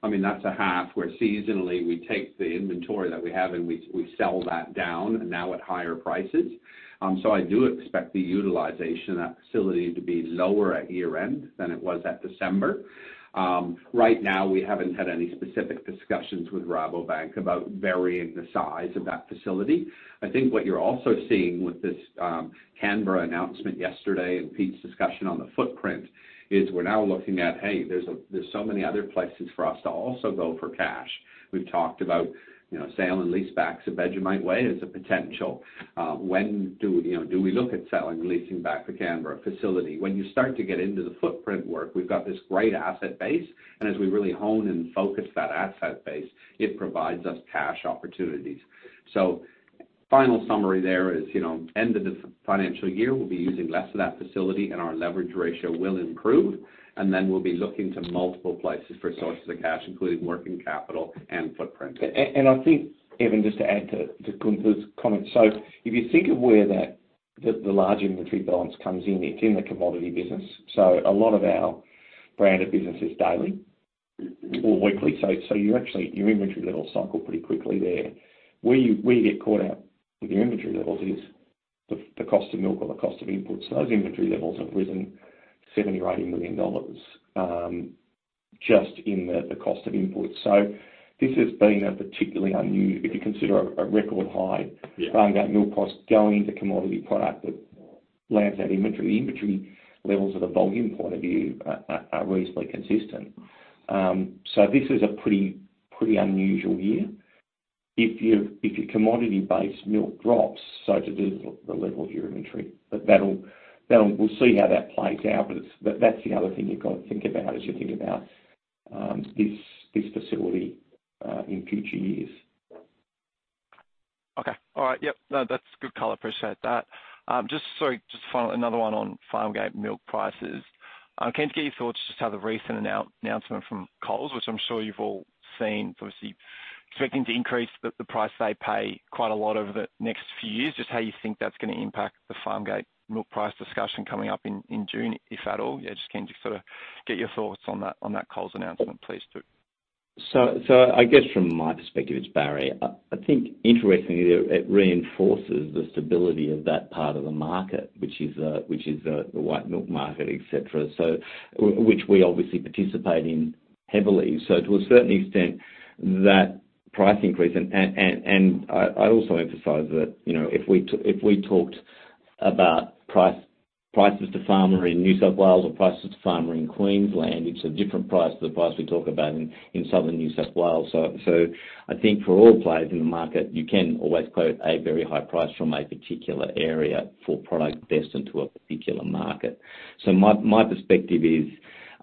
that's a half where seasonally we take the inventory that we have, and we sell that down and now at higher prices. I do expect the utilization of that facility to be lower at year-end than it was at December. Right now, we haven't had any specific discussions with Rabobank about varying the size of that facility. I think what you're also seeing with this Canberra announcement yesterday and Pete's discussion on the footprint is we're now looking at, hey, there's so many other places for us to also go for cash. We've talked about, you know, sale and leasebacks at Vegemite Way as a potential. When, you know, do we look at selling, leasing back the Canberra facility? When you start to get into the footprint work, we've got this great asset base, and as we really hone and focus that asset base, it provides us cash opportunities. Final summary there is, you know, end of the financial year, we'll be using less of that facility, and our leverage ratio will improve. We'll be looking to multiple places for sources of cash, including working capital and footprint. I think, Evan, just to add to Gunther's comments. If you think of where that the large inventory balance comes in, it's in the commodity business. A lot of our branded business is daily or weekly. You actually, your inventory levels cycle pretty quickly there. Where you get caught out with your inventory levels is the cost of milk or the cost of inputs. Those inventory levels have risen 70 million or 80 million dollars just in the cost of inputs. This has been a particularly if you consider a record high. Yeah. -farmgate milk cost going into commodity product that lands that inventory. The inventory levels from the volume point of view are reasonably consistent. This is a pretty unusual year. If your commodity-based milk drops, so does the level of your inventory. That'll. We'll see how that plays out. That's the other thing you've got to think about as you think about this facility in future years. Okay. All right. Yep. No, that's good color. Appreciate that. Just, sorry, just final, another one on farmgate milk prices. Can I just get your thoughts just how the recent announcement from Coles, which I'm sure you've all seen, obviously expecting to increase the price they pay quite a lot over the next few years, just how you think that's gonna impact the farmgate milk price discussion coming up in June, if at all? Yeah, just keen to sort of get your thoughts on that Coles announcement, please, too. I guess from my perspective, it's Barry. I think interestingly, it reinforces the stability of that part of the market, which is the white milk market, et cetera, which we obviously participate in heavily. To a certain extent, that price increase and I also emphasize that, you know, if we talked about price, prices to farmer in New South Wales or prices to farmer in Queensland, it's a different price to the price we talk about in Southern New South Wales. I think for all players in the market, you can always quote a very high price from a particular area for product destined to a particular market. My perspective is,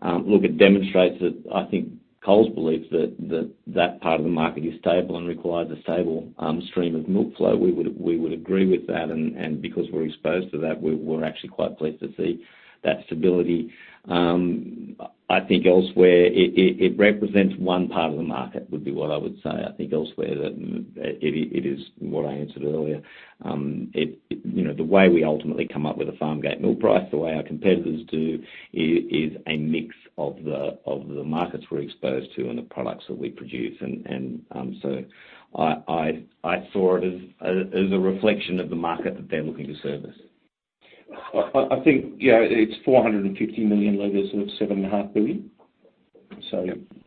look, it demonstrates that I think Coles believes that part of the market is stable and requires a stable stream of milk flow. We would agree with that, and because we're exposed to that, we're actually quite pleased to see that stability. I think elsewhere, it represents one part of the market, would be what I would say. I think elsewhere that it is what I answered earlier. It, you know, the way we ultimately come up with a farmgate milk price, the way our competitors do is a mix of the markets we're exposed to and the products that we produce. I saw it as a reflection of the market that they're looking to service. I think, you know, it's 450 million liters of 7.5 billion.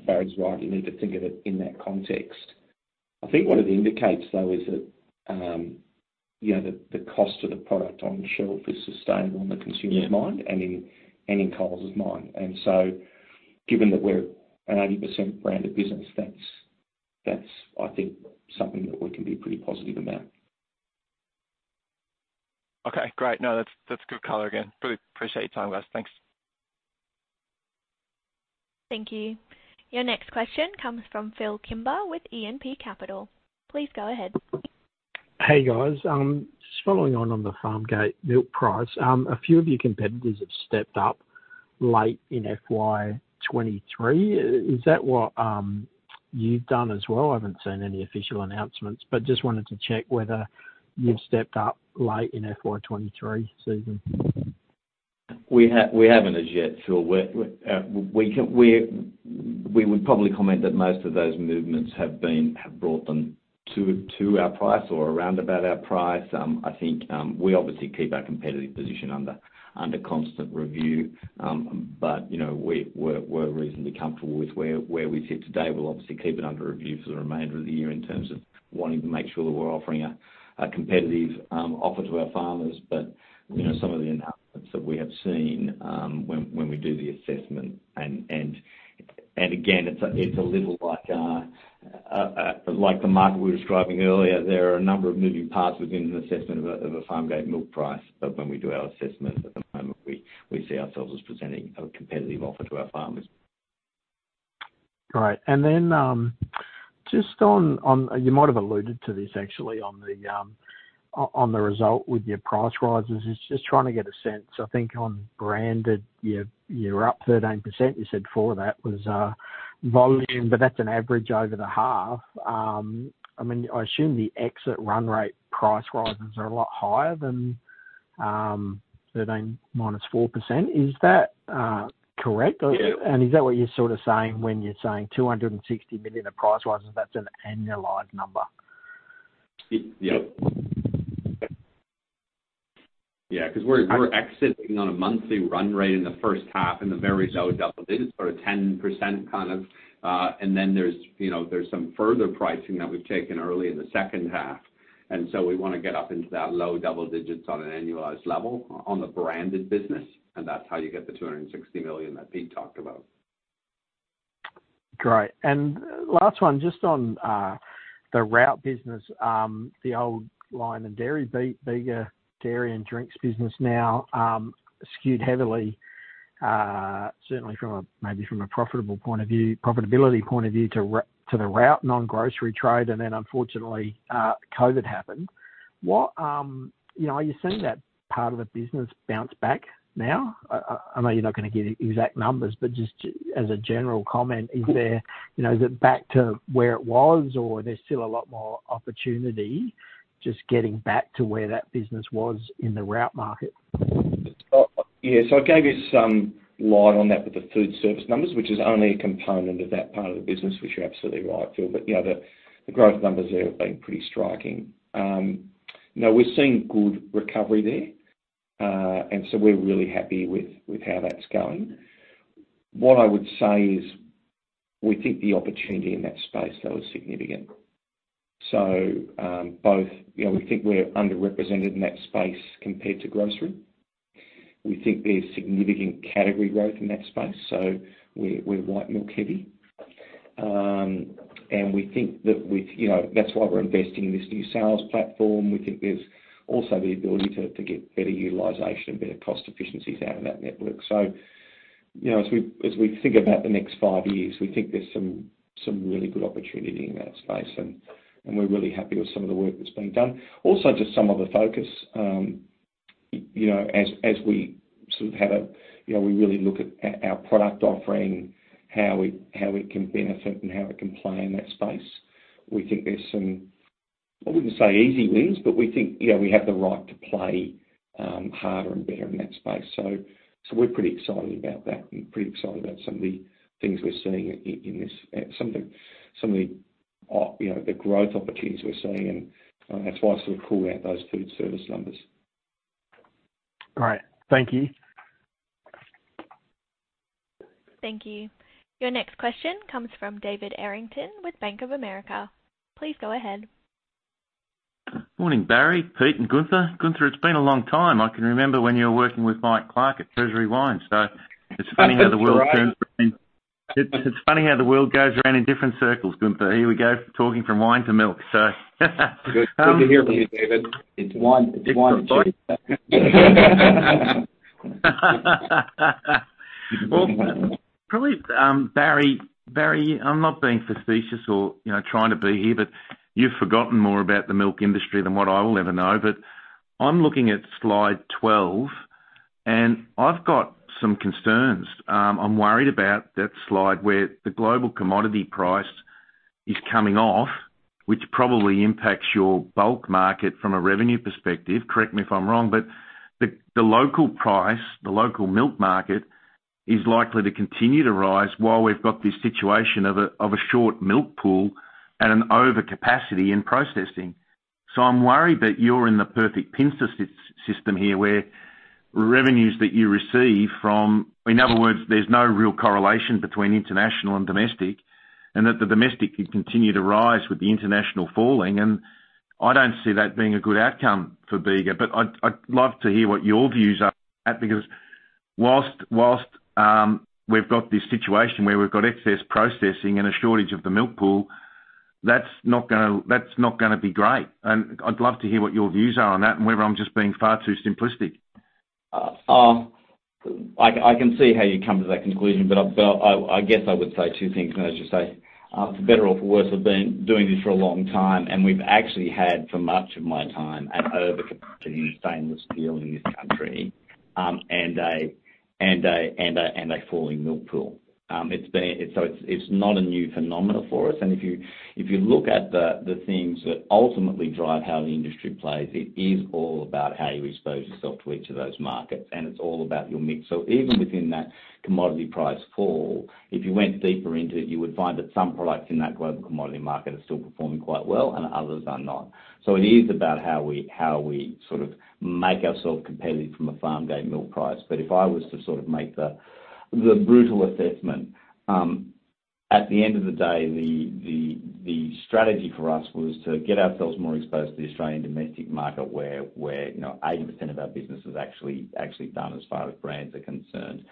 Barry's right, you need to think of it in that context. I think what it indicates, though, is that, you know, the cost of the product on the shelf is sustainable in the consumer's mind. Yeah. and in Coles's mind. Given that we're an 80% branded business, that's I think something that we can be pretty positive about. Okay, great. No, that's good color again. Really appreciate your time, guys. Thanks. Thank you. Your next question comes from Phil Kimber with E&P Capital. Please go ahead. Hey, guys. Just following on the farmgate milk price. A few of your competitors have stepped up late in FY 2023. Is that what you've done as well? I haven't seen any official announcements, but just wanted to check whether you've stepped up late in FY 2023 season. We haven't as yet, Phil. We're, we would probably comment that most of those movements have been, have brought them to our price or around about our price. I think we obviously keep our competitive position under constant review. You know, we're reasonably comfortable with where we sit today. We'll obviously keep it under review for the remainder of the year in terms of wanting to make sure that we're offering a competitive offer to our farmers. You know, some of the enhancements that we have seen when we do the assessment. Again, it's a little like the market we were describing earlier. There are a number of moving parts within an assessment of a farm-gate milk price. When we do our assessment at the moment, we see ourselves as presenting a competitive offer to our farmers. Great. Just on, you might have alluded to this actually on the result with your price rises. It's just trying to get a sense. I think on branded, you're up 13%. You said 4% of that was volume, but that's an average over the half. I mean, I assume the exit run rate price rises are a lot higher than 13% - 4%. Is that correct? Yeah. Is that what you're sort of saying when you're saying 260 million of price rises, that's an annualized number? Yeah, 'cause we're exiting on a monthly run rate in the first half in the very low double digits or a 10% kind of. There's, you know, there's some further pricing that we've taken early in the second half. We wanna get up into that low double digits on an annualized level on the branded business, and that's how you get the 260 million that Pete talked about. Great. Last one, just on the route business, the old line in dairy, Bega Dairy & Drinks business now, skewed heavily, certainly from a, maybe from a profitable point of view, profitability point of view to the route non-grocery trade, then unfortunately, COVID happened. What, you know, are you seeing that part of the business bounce back now? I know you're not gonna give the exact numbers, but just as a general comment, is there, you know, is it back to where it was or there's still a lot more opportunity just getting back to where that business was in the route market? Oh, yeah. I gave you some light on that with the food service numbers, which is only a component of that part of the business, which you're absolutely right, Phil. Yeah, the growth numbers there have been pretty striking. No, we're seeing good recovery there, and so we're really happy with how that's going. What I would say is we think the opportunity in that space, though, is significant. Both, you know, we think we're underrepresented in that space compared to grocery. We think there's significant category growth in that space, so we're white milk heavy. We think that with, you know, that's why we're investing in this new sales platform. We think there's also the ability to get better utilization and better cost efficiencies out of that network. You know, as we think about the next five years, we think there's some really good opportunity in that space, and we're really happy with some of the work that's been done. Also, just some of the focus, you know, as we sort of have a, you know, we really look at our product offering, how we can benefit and how we can play in that space. We think there's some, I wouldn't say easy wins, but we think, you know, we have the right to play harder and better in that space. We're pretty excited about that and pretty excited about some of the things we're seeing in this, some of the, you know, the growth opportunities we're seeing, and that's why I sort of called out those food service numbers. Great. Thank you. Thank you. Your next question comes from David Errington with Bank of America. Please go ahead. Morning, Barry, Pete, and Gunther. Gunther, it's been a long time. I can remember when you were working with Michael Clarke at Treasury Wine. It's funny how the world turns. That's right. It's funny how the world goes around in different circles, Gunther. Here we go, talking from wine to milk. Good, good to hear from you, David. It's wine, it's wine. Different folks. Well, probably, Barry, I'm not being facetious or, you know, trying to be here, but you've forgotten more about the milk industry than what I will ever know. I'm looking at slide 12, and I've got some concerns. I'm worried about that slide where the global commodity price is coming off, which probably impacts your bulk market from a revenue perspective. Correct me if I'm wrong, but the local price, the local milk market, is likely to continue to rise while we've got this situation of a, of a short milk pool and an overcapacity in processing. I'm worried that you're in the perfect pinch system here, where revenues that you receive from... In other words, there's no real correlation between international and domestic, and that the domestic could continue to rise with the international falling. I don't see that being a good outcome for Bega, but I'd love to hear what your views are on that because whilst we've got this situation where we've got excess processing and a shortage of the milk pool, that's not gonna be great. I'd love to hear what your views are on that and whether I'm just being far too simplistic. I can see how you come to that conclusion, but I guess I would say two things. As you say, for better or for worse, I've been doing this for a long time, and we've actually had for much of my time an overcapacity in stainless steel in this country. A falling milk pool. It's not a new phenomena for us, and if you look at the things that ultimately drive how the industry plays, it is all about how you expose yourself to each of those markets, and it's all about your mix. Even within that commodity price fall, if you went deeper into it, you would find that some products in that global commodity market are still performing quite well, and others are not. It is about how we sort of make ourselves competitive from a farmgate milk price. If I was to sort of make the brutal assessment, at the end of the day, the, the strategy for us was to get ourselves more exposed to the Australian domestic market where, you know, 80% of our business is actually done as far as brands are concerned.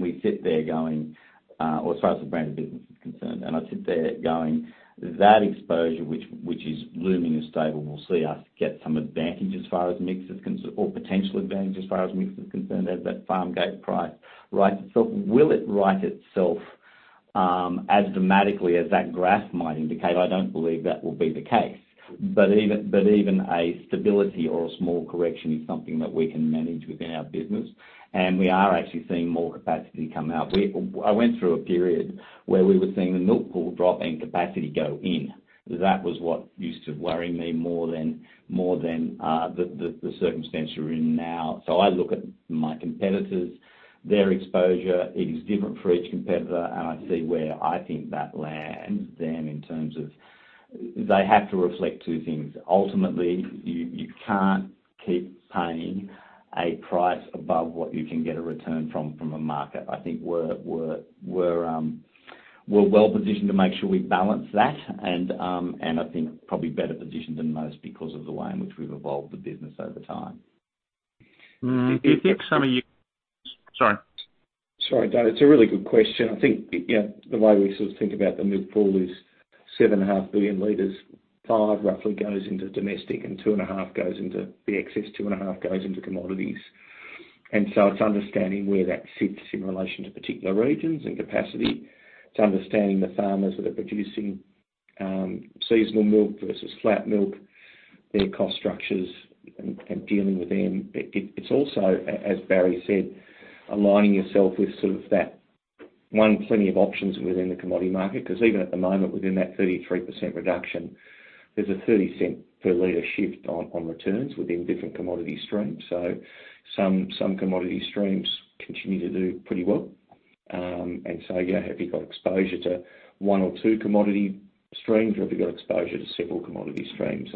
We sit there going, or as far as the brand business is concerned, I sit there going, that exposure, which is blooming and stable, will see us get some advantage as far as mix is concerned or potential advantage as far as mix is concerned as that farm gate price rights itself. Will it right itself, as dramatically as that graph might indicate? I don't believe that will be the case. Even a stability or a small correction is something that we can manage within our business, and we are actually seeing more capacity come out. I went through a period where we were seeing the milk pool drop and capacity go in. That was what used to worry me more than the circumstance we're in now. I look at my competitors, their exposure, it is different for each competitor, and I see where I think that lands them in terms of. They have to reflect two things. Ultimately, you can't keep paying a price above what you can get a return from a market. I think we're well-positioned to make sure we balance that and I think probably better positioned than most because of the way in which we've evolved the business over time. Mm-hmm. Do you think some of you... Sorry. Sorry, David. It's a really good question. I think, you know, the way we sort of think about the milk pool is 7.5 billion liters, 5 billion liters roughly goes into domestic and 2.5 billion liters goes into the excess, 2.5 billion liters goes into commodities. It's understanding where that sits in relation to particular regions and capacity. It's understanding the farmers that are producing seasonal milk versus flat milk, their cost structures and dealing with them. It's also, as Barry said, aligning yourself with sort of that, one, plenty of options within the commodity market, 'cause even at the moment, within that 33% reduction, there's an 0.30 per liter shift on returns within different commodity streams. Some commodity streams continue to do pretty well. Yeah, have you got exposure to one or two commodity streams, or have you got exposure to several commodity streams?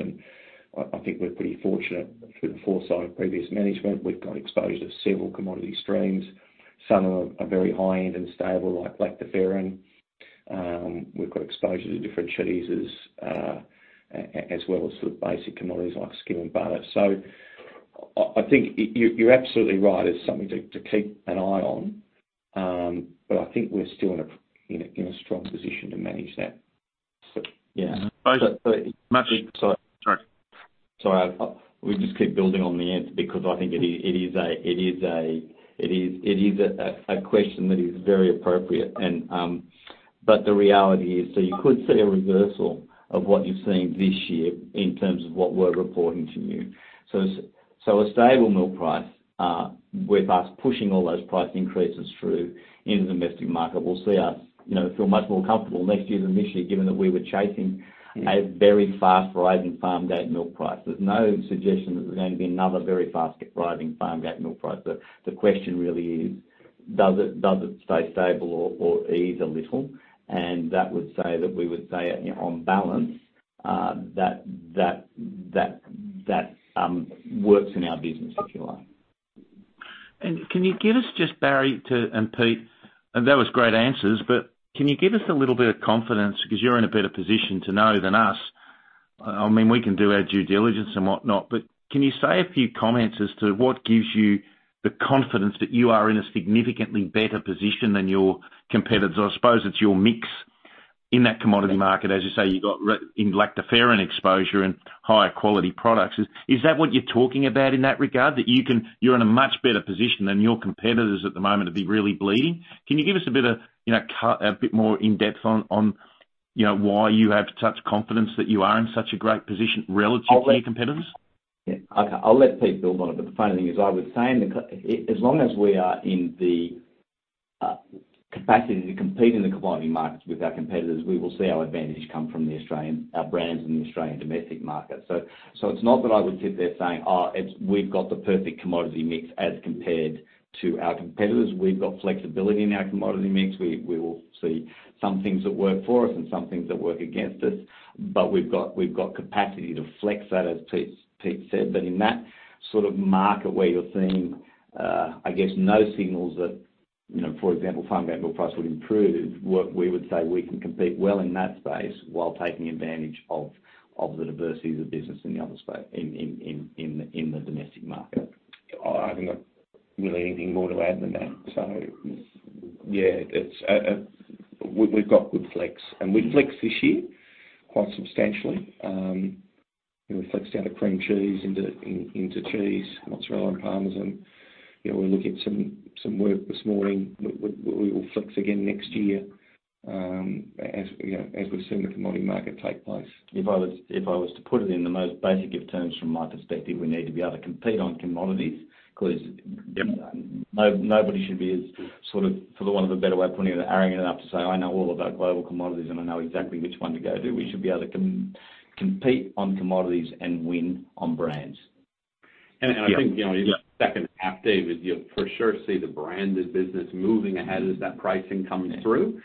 I think we're pretty fortunate through the foresight of previous management, we've got exposure to several commodity streams. Some are very high-end and stable like lactoferrin. We've got exposure to different cheeses, as well as sort of basic commodities like skim and butter. I think you're absolutely right. It's something to keep an eye on, but I think we're still in a strong position to manage that. Yeah. Much- Sorry. Sorry. We just keep building on the answer because I think it is a question that is very appropriate. The reality is, you could see a reversal of what you're seeing this year in terms of what we're reporting to you. A stable milk price with us pushing all those price increases through in the domestic market will see us, you know, feel much more comfortable next year than this year, given that we were chasing a very fast-rising farmgate milk price. There's no suggestion that there's going to be another very fast-rising farmgate milk price, but the question really is, does it stay stable or ease a little? That would say that we would say, on balance, that works in our business, if you like. Can you give us just Barry Irvin, and Pete Findlay, that was great answers. Can you give us a little bit of confidence because you're in a better position to know than us. I mean, we can do our due diligence and whatnot. Can you say a few comments as to what gives you the confidence that you are in a significantly better position than your competitors? I suppose it's your mix in that commodity market. As you say, you've got in lactoferrin exposure and higher quality products. Is that what you're talking about in that regard? You're in a much better position than your competitors at the moment to be really bleeding? Can you give us a bit of, you know, cut a bit more in-depth on, you know, why you have such confidence that you are in such a great position relative to your competitors? Yeah. I'll let Pete build on it, but the funny thing is, I would say in the as long as we are in the capacity to compete in the commodity markets with our competitors, we will see our advantage come from the Australian, our brands in the Australian domestic market. It's not that I would sit there saying, "Oh, it's, we've got the perfect commodity mix as compared to our competitors." We've got flexibility in our commodity mix. We will see some things that work for us and some things that work against us, but we've got capacity to flex that, as Pete said. In that sort of market where you're seeing, I guess, no signals that, you know, for example, farmgate milk price will improve, what we would say, we can compete well in that space while taking advantage of the diversity of the business in the other space, in the domestic market. I've not really anything more to add than that. Yeah, it's, we've got good flex, and we flexed this year quite substantially. We flexed out of cream cheese into cheese, mozzarella and parmesan. You know, we're looking at some work this morning we will flex again next year, as, you know, as we've seen the commodity market take place. If I was to put it in the most basic of terms from my perspective, we need to be able to compete on commodities... Yep. Nobody should be as sort of, for the want of a better way of putting it, arrogant enough to say, "I know all about global commodities, and I know exactly which one to go to." We should be able to compete on commodities and win on brands. I think, you know, in the second half, David, you'll for sure see the branded business moving ahead as that pricing comes through.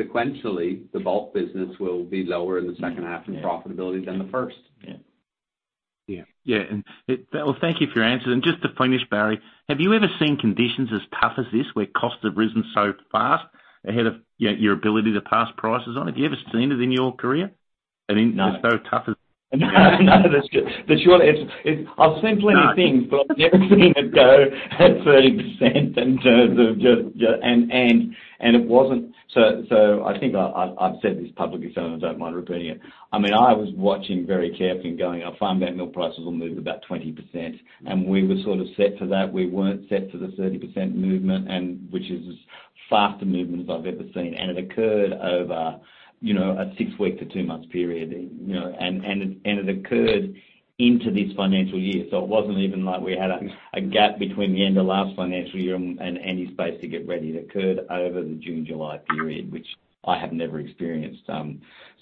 Sequentially, the bulk business will be lower in the second half in profitability than the first. Yeah. Yeah. Yeah. Well, thank you for your answers. Just to finish, Barry, have you ever seen conditions as tough as this, where costs have risen so fast ahead of, you know, your ability to pass prices on? Have you ever seen it in your career? I mean. No. Tough as. No, that's true. It's. I've seen plenty of things. I've never seen it go at 30% in terms of just. It wasn't. I think I've said this publicly, so I don't mind repeating it. I mean, I was watching very carefully and going, our farm milk prices will move about 20%, and we were sort of set for that. We weren't set for the 30% movement and which is as fast a movement as I've ever seen. It occurred over, you know, a six-week-two-month period, you know. It occurred into this financial year. It wasn't even like we had a gap between the end of last financial year and any space to get ready. It occurred over the June/July period, which I have never experienced.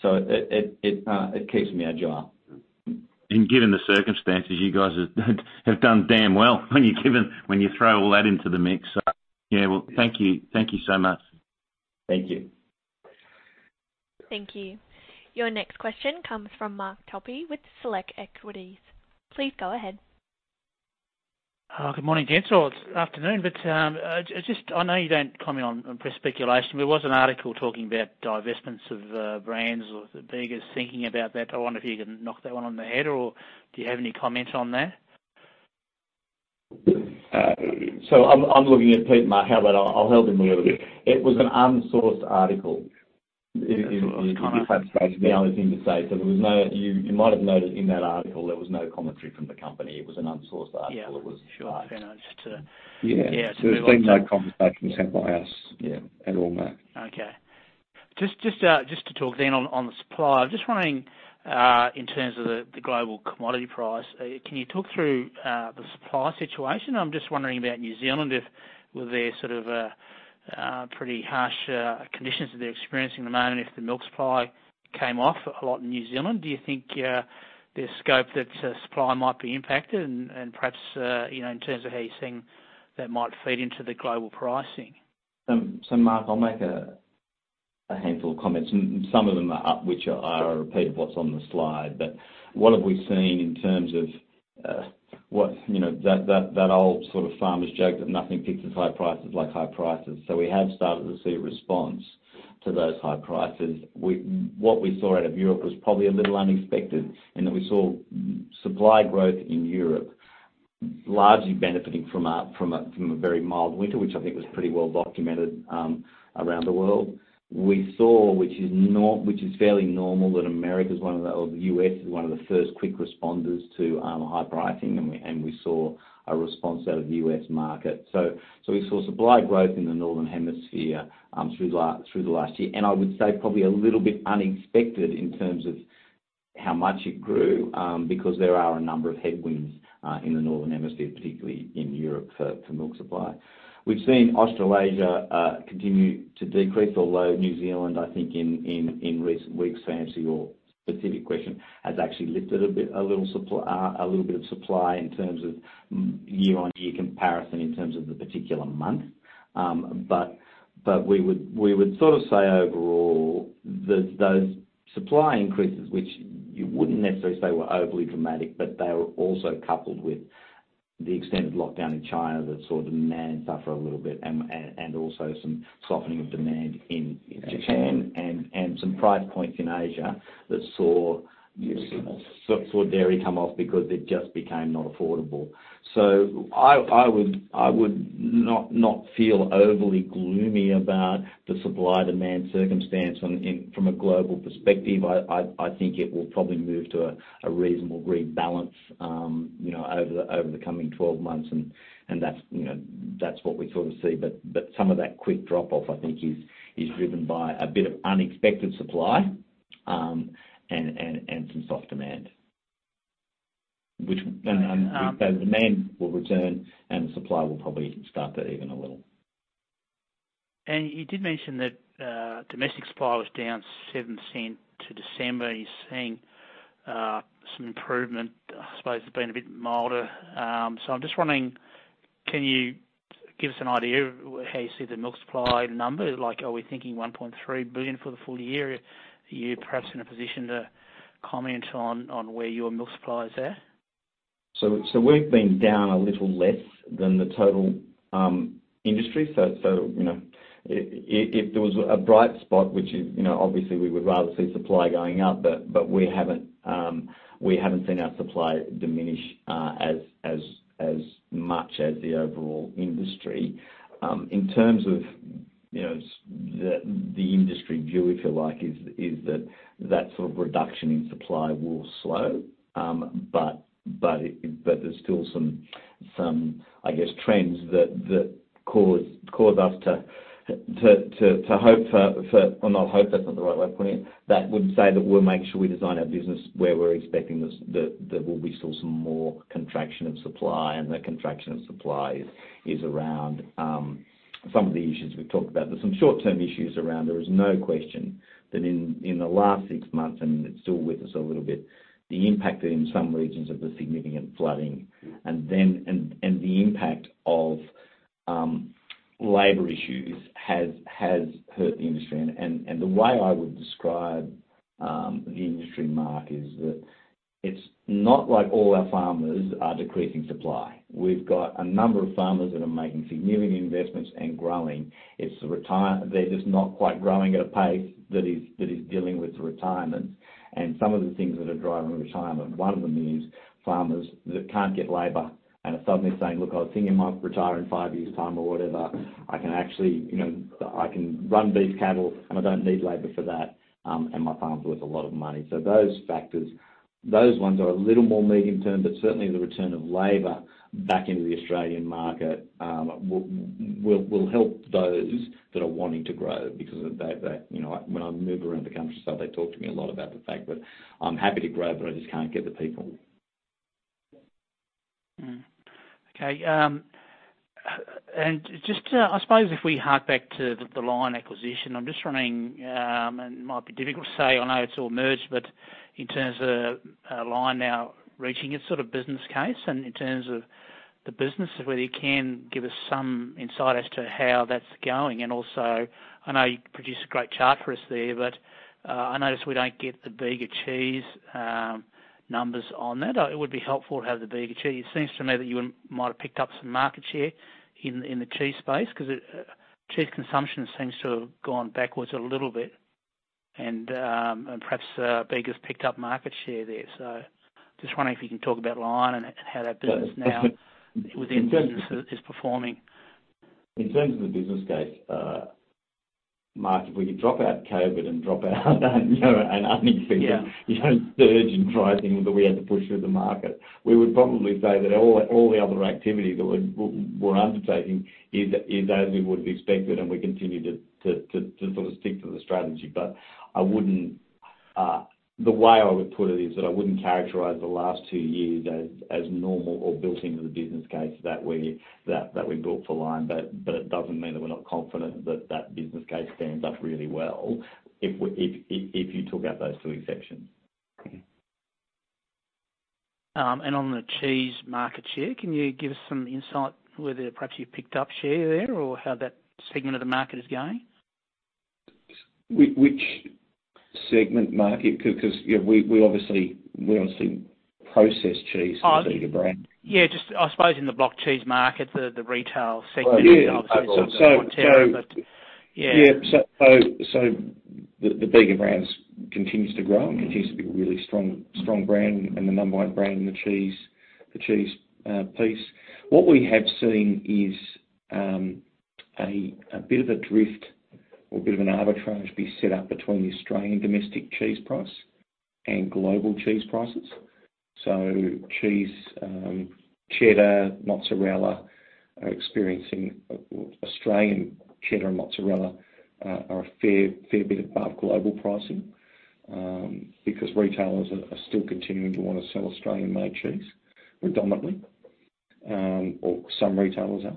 It keeps me on jar. Given the circumstances, you guys have done damn well when you throw all that into the mix. Yeah. Thank you. Thank you so much. Thank you. Thank you. Your next question comes from Mark Topy with Select Equities. Please go ahead. Good morning, gents, or afternoon. I know you don't comment on press speculation. There was an article talking about divestments of brands or Bega's thinking about that. I wonder if you can knock that one on the head, or do you have any comment on that? I'm looking at Pete, Mark, how about I'll help him a little bit. It was an unsourced article. It was kinda- The only thing to say, You might have noted in that article, there was no commentary from the company. It was an unsourced article. Yeah. It was- Sure. Fair enough. Yeah. Yeah, to move on. There's been no conversation at my house. Yeah. At all, Mark. Okay. Just to talk then on supply. I'm just wondering in terms of the global commodity price, can you talk through the supply situation? I'm just wondering about New Zealand, if with their sort of pretty harsh conditions that they're experiencing at the moment, if the milk supply came off a lot in New Zealand. Do you think there's scope that supply might be impacted and perhaps, you know, in terms of how you're seeing that might feed into the global pricing? Mark, I'll make a handful of comments and some of them are up, which are a repeat of what's on the slide. What have we seen in terms of, you know, that old sort of farmer's joke, that nothing picks his high prices like high prices. We have started to see a response to those high prices. What we saw out of Europe was probably a little unexpected, in that we saw supply growth in Europe, largely benefiting from a very mild winter, which I think was pretty well documented around the world. We saw, which is fairly normal, that America's one of the, or the U.S., is one of the first quick responders to high pricing, and we saw a response out of the U.S. market. We saw supply growth in the northern hemisphere through the last year. I would say probably a little bit unexpected in terms of how much it grew because there are a number of headwinds in the northern hemisphere, particularly in Europe for milk supply. We've seen Australasia continue to decrease, although New Zealand, I think in recent weeks to answer your specific question, has actually lifted a little supply, a little bit of supply in terms of year-on-year comparison in terms of the particular month. We would sort of say overall, those supply increases, which you wouldn't necessarily say were overly dramatic, but they were also coupled with the extent of lockdown in China that saw demand suffer a little bit and also some softening of demand in Japan and some price points in Asia that saw. Yes. Saw dairy come off because it just became not affordable. I would not feel overly gloomy about the supply-demand circumstance from a global perspective. I think it will probably move to a reasonable rebalance, you know, over the coming 12 months. That's, you know, that's what we sort of see. Some of that quick drop-off, I think, is driven by a bit of unexpected supply, and some soft demand. The demand will return and supply will probably stutter even a little. You did mention that domestic supply was down 7% to December. You're seeing some improvement, I suppose it's been a bit milder. I'm just wondering, can you give us an idea how you see the milk supply numbers? Like, are we thinking 1.3 billion for the full year? Are you perhaps in a position to comment on where your milk supply is at? We've been down a little less than the total industry. You know, if there was a bright spot, which, you know, obviously we would rather see supply going up, but we haven't seen our supply diminish as much as the overall industry. You know, the industry view, if you like, is that that sort of reduction in supply will slow. There's still some, I guess, trends that cause us to hope for... Well, not hope. That's not the right way of putting it. That would say that we'll make sure we design our business where we're expecting this, that will be still some more contraction of supply, and that contraction of supply is around some of the issues we've talked about. There's some short-term issues around. There is no question that in the last six months, and it's still with us a little bit, the impact in some regions of the significant flooding. The impact of labor issues has hurt the industry. The way I would describe the industry, Mark, is that it's not like all our farmers are decreasing supply. We've got a number of farmers that are making significant investments and growing. It's the retire- they're just not quite growing at a pace that is dealing with the retirement. Some of the things that are driving retirement, one of them is farmers that can't get labor, and are suddenly saying, "Look, I was thinking I might retire in five years' time or whatever. I can actually, you know, I can run beef cattle, and I don't need labor for that, and my farm's worth a lot of money." Those factors, those ones are a little more medium-term, but certainly the return of labor back into the Australian market, will help those that are wanting to grow because of that, you know, when I maneuver around the country, so they talk to me a lot about the fact that, "I'm happy to grow, but I just can't get the people. Okay, just to, I suppose, if we hark back to the Lion acquisition, I'm just wondering. It might be difficult to say, I know it's all merged, but in terms of Lion now reaching its sort of business case and in terms of the business, whether you can give us some insight as to how that's going? Also, I know you produced a great chart for us there, but I notice we don't get the Bega Cheese numbers on that. It would be helpful to have the Bega Cheese. It seems to me that you might have picked up some market share in the cheese space 'cause cheese consumption seems to have gone backwards a little bit and perhaps Bega's picked up market share there. Just wondering if you can talk about Lion and how that business now within business is performing? In terms of the business case, Mark, if we could drop out COVID and drop out, you know. Yeah. you know, surge in pricing that we had to push through the market, we would probably say that all the other activity that we're undertaking is as we would have expected, and we continue to sort of stick to the strategy. I wouldn't the way I would put it is that I wouldn't characterize the last two years as normal or built into the business case that we built for Lion. It doesn't mean that we're not confident that that business case stands up really well if you took out those two exceptions. Okay. On the cheese market share, can you give us some insight whether perhaps you picked up share there or how that segment of the market is going? Which segment market? You know, we obviously process cheese as a Bega brand. Yeah, just I suppose in the block cheese market, the retail segment- Oh, yeah. obviously sort of want to, but yeah. Yeah. The Bega brands continues to grow and continues to be a really strong brand and the number one brand in the cheese piece. What we have seen is a bit of a drift or a bit of an arbitrage be set up between the Australian domestic cheese price and global cheese prices. Cheese, cheddar, mozzarella are experiencing, Australian cheddar and mozzarella are a fair bit above global pricing because retailers are still continuing to wanna sell Australian-made cheese predominantly or some retailers are.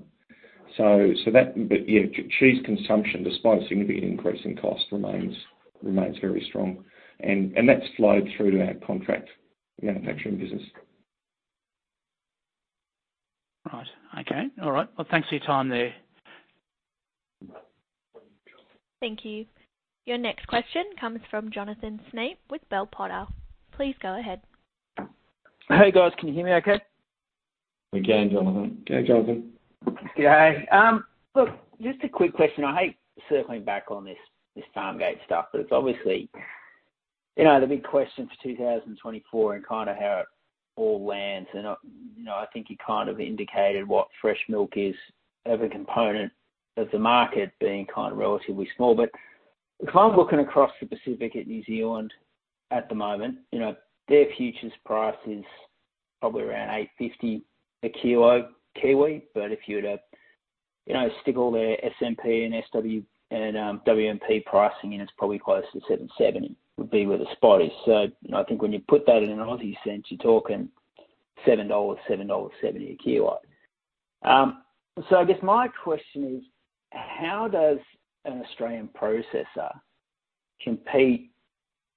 That, but yeah, cheese consumption, despite a significant increase in cost remains very strong. That's flowed through to our contract manufacturing business. Right. Okay. All right. Well, thanks for your time there. Thank you. Your next question comes from Jonathan Snape with Bell Potter. Please go ahead. Hey, guys. Can you hear me okay? Again, Jonathan. Go, Jonathan. Look, just a quick question. I hate circling back on this farmgate stuff, but it's obviously, you know, the big question for 2024 and kinda how it all lands. I think you kind of indicated what fresh milk is of a component of the market being kind of relatively small. If I'm looking across the Pacific at New Zealand at the moment, you know, their futures price is probably around 8.50 a kilo kiwi. If you were to, you know, stick all their SMP and SWP and WMP pricing in, it's probably closer to 7.70 would be where the spot is. I think when you put that in an Aussie sense, you're talking 7.00 dollars, 7.70 dollars a kilo. I guess my question is: How does an Australian processor compete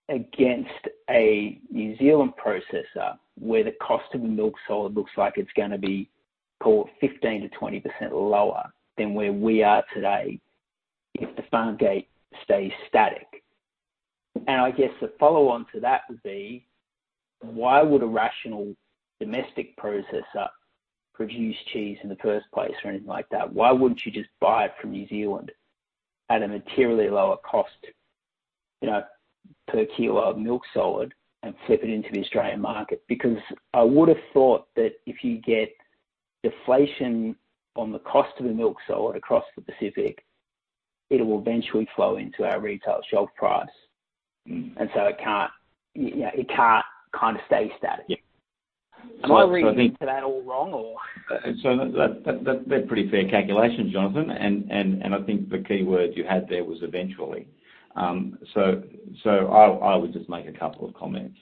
against a New Zealand processor, where the cost of the milk solid looks like it's gonna be, call it, 15%-20% lower than where we are today if the farm gate stays static? I guess the follow-on to that would be: Why would a rational domestic processor produce cheese in the first place or anything like that? Why wouldn't you just buy it from New Zealand at a materially lower cost? You know, per kilo of milk solid and flip it into the Australian market. I would have thought that if you get deflation on the cost of a milk solid across the Pacific, it will eventually flow into our retail shelf price. Mm-hmm. It can't, you know, it can't kinda stay static. Yeah. I think- Am I reading to that all wrong or? That, they're pretty fair calculations, Jonathan. I think the key word you had there was eventually. I would just make a couple of comments.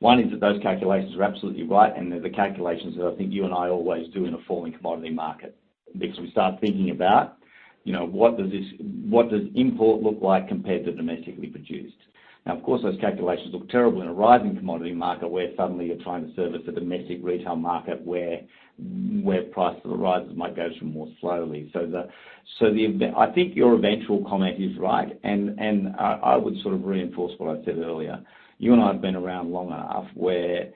One is that those calculations are absolutely right, and they're the calculations that I think you and I always do in a falling commodity market. We start thinking about, you know, what does this, what does import look like compared to domestically produced? Of course, those calculations look terrible in a rising commodity market, where suddenly you're trying to service a domestic retail market where price rises might go through more slowly. I think your eventual comment is right, and I would sort of reinforce what I said earlier. You and I have been around long enough where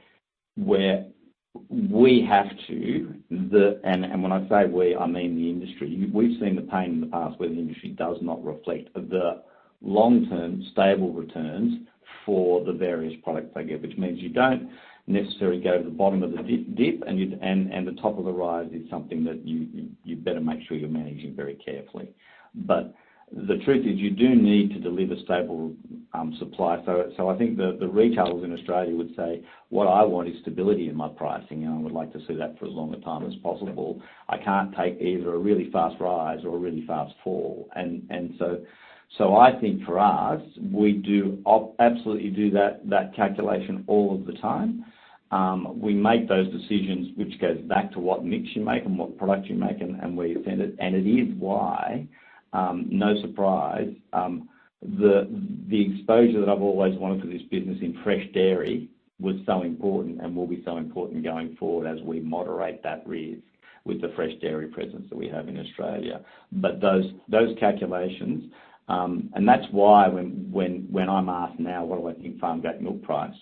we have to the... When I say we, I mean the industry. We've seen the pain in the past where the industry does not reflect the long-term stable returns for the various products they get, which means you don't necessarily go to the bottom of the dip, and the top of the rise is something that you better make sure you're managing very carefully. The truth is you do need to deliver stable supply. I think the retailers in Australia would say, "What I want is stability in my pricing, and I would like to see that for as long a time as possible. I can't take either a really fast rise or a really fast fall." I think for us, we do absolutely do that calculation all of the time. We make those decisions, which goes back to what mix you make and what product you make and where you send it. It is why, no surprise, the exposure that I've always wanted for this business in fresh dairy was so important and will be so important going forward as we moderate that risk with the fresh dairy presence that we have in Australia. Those calculations. That's why when I'm asked now what do I think farm gate milk price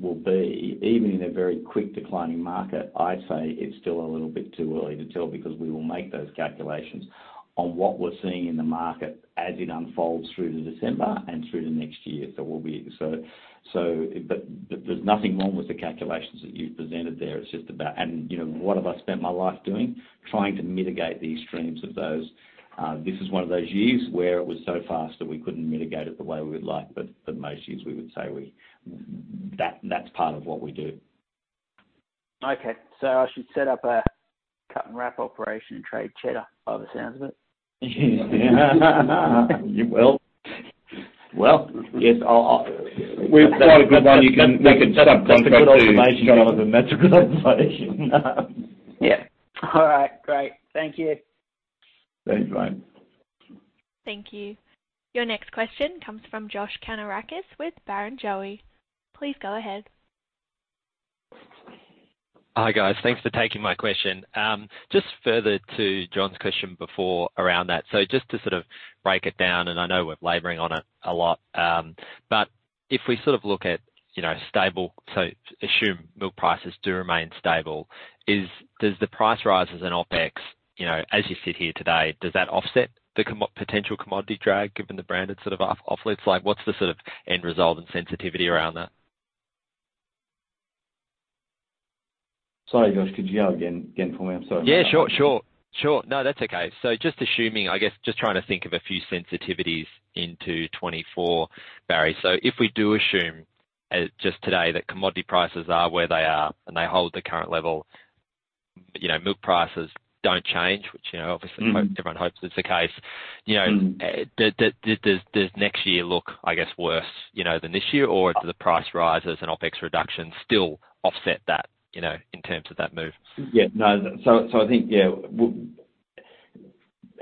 will be, even in a very quick declining market, I say it's still a little bit too early to tell because we will make those calculations on what we're seeing in the market as it unfolds through to December and through to next year. There will be... There's nothing wrong with the calculations that you've presented there. It's just about. You know, what have I spent my life doing? Trying to mitigate the extremes of those. This is one of those years where it was so fast that we couldn't mitigate it the way we would like, but for most years, we would say That's part of what we do. Okay. I should set up a cut and wrap operation and trade cheddar by the sounds of it. You will. Well, yes. I'll. That's a good observation, Jonathan. That's a good observation. Yeah. All right. Great. Thank you. Thanks, mate. Thank you. Your next question comes from Josh Kannourakis with Barrenjoey. Please go ahead. Hi, guys. Thanks for taking my question. Just further to Jon's question before around that. Just to sort of break it down, and I know we're laboring on it a lot, but if we sort of look at, you know, stable, so assume milk prices do remain stable, does the price rises and OpEx, you know, as you sit here today, does that offset the potential commodity drag given the branded sort of off late? Like, what's the sort of end result and sensitivity around that? Sorry, Josh. Could you go again for me? I'm sorry about that. Yeah, sure. Sure. No, that's okay. Just assuming, I guess just trying to think of a few sensitivities into 2024, Barry. If we do assume, just today that commodity prices are where they are and they hold the current level, you know, milk prices don't change, which, you know. Mm-hmm everyone hopes is the case. Mm-hmm. You know, does next year look, I guess, worse, you know, than this year? Do the price rises and OpEx reductions still offset that, you know, in terms of that move? Yeah. No. I think,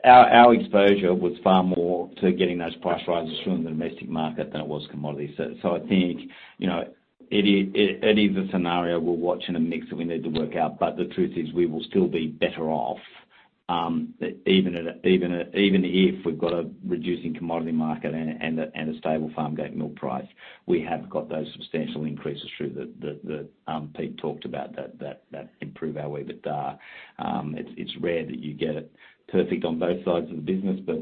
Our exposure was far more to getting those price rises from the domestic market than it was commodity. I think, you know, it is a scenario we'll watch and a mix that we need to work out. The truth is, we will still be better off, even if we've got a reducing commodity market and a stable farmgate milk price. We have got those substantial increases through the Pete talked about that improve our EBITDA. It's rare that you get it perfect on both sides of the business but,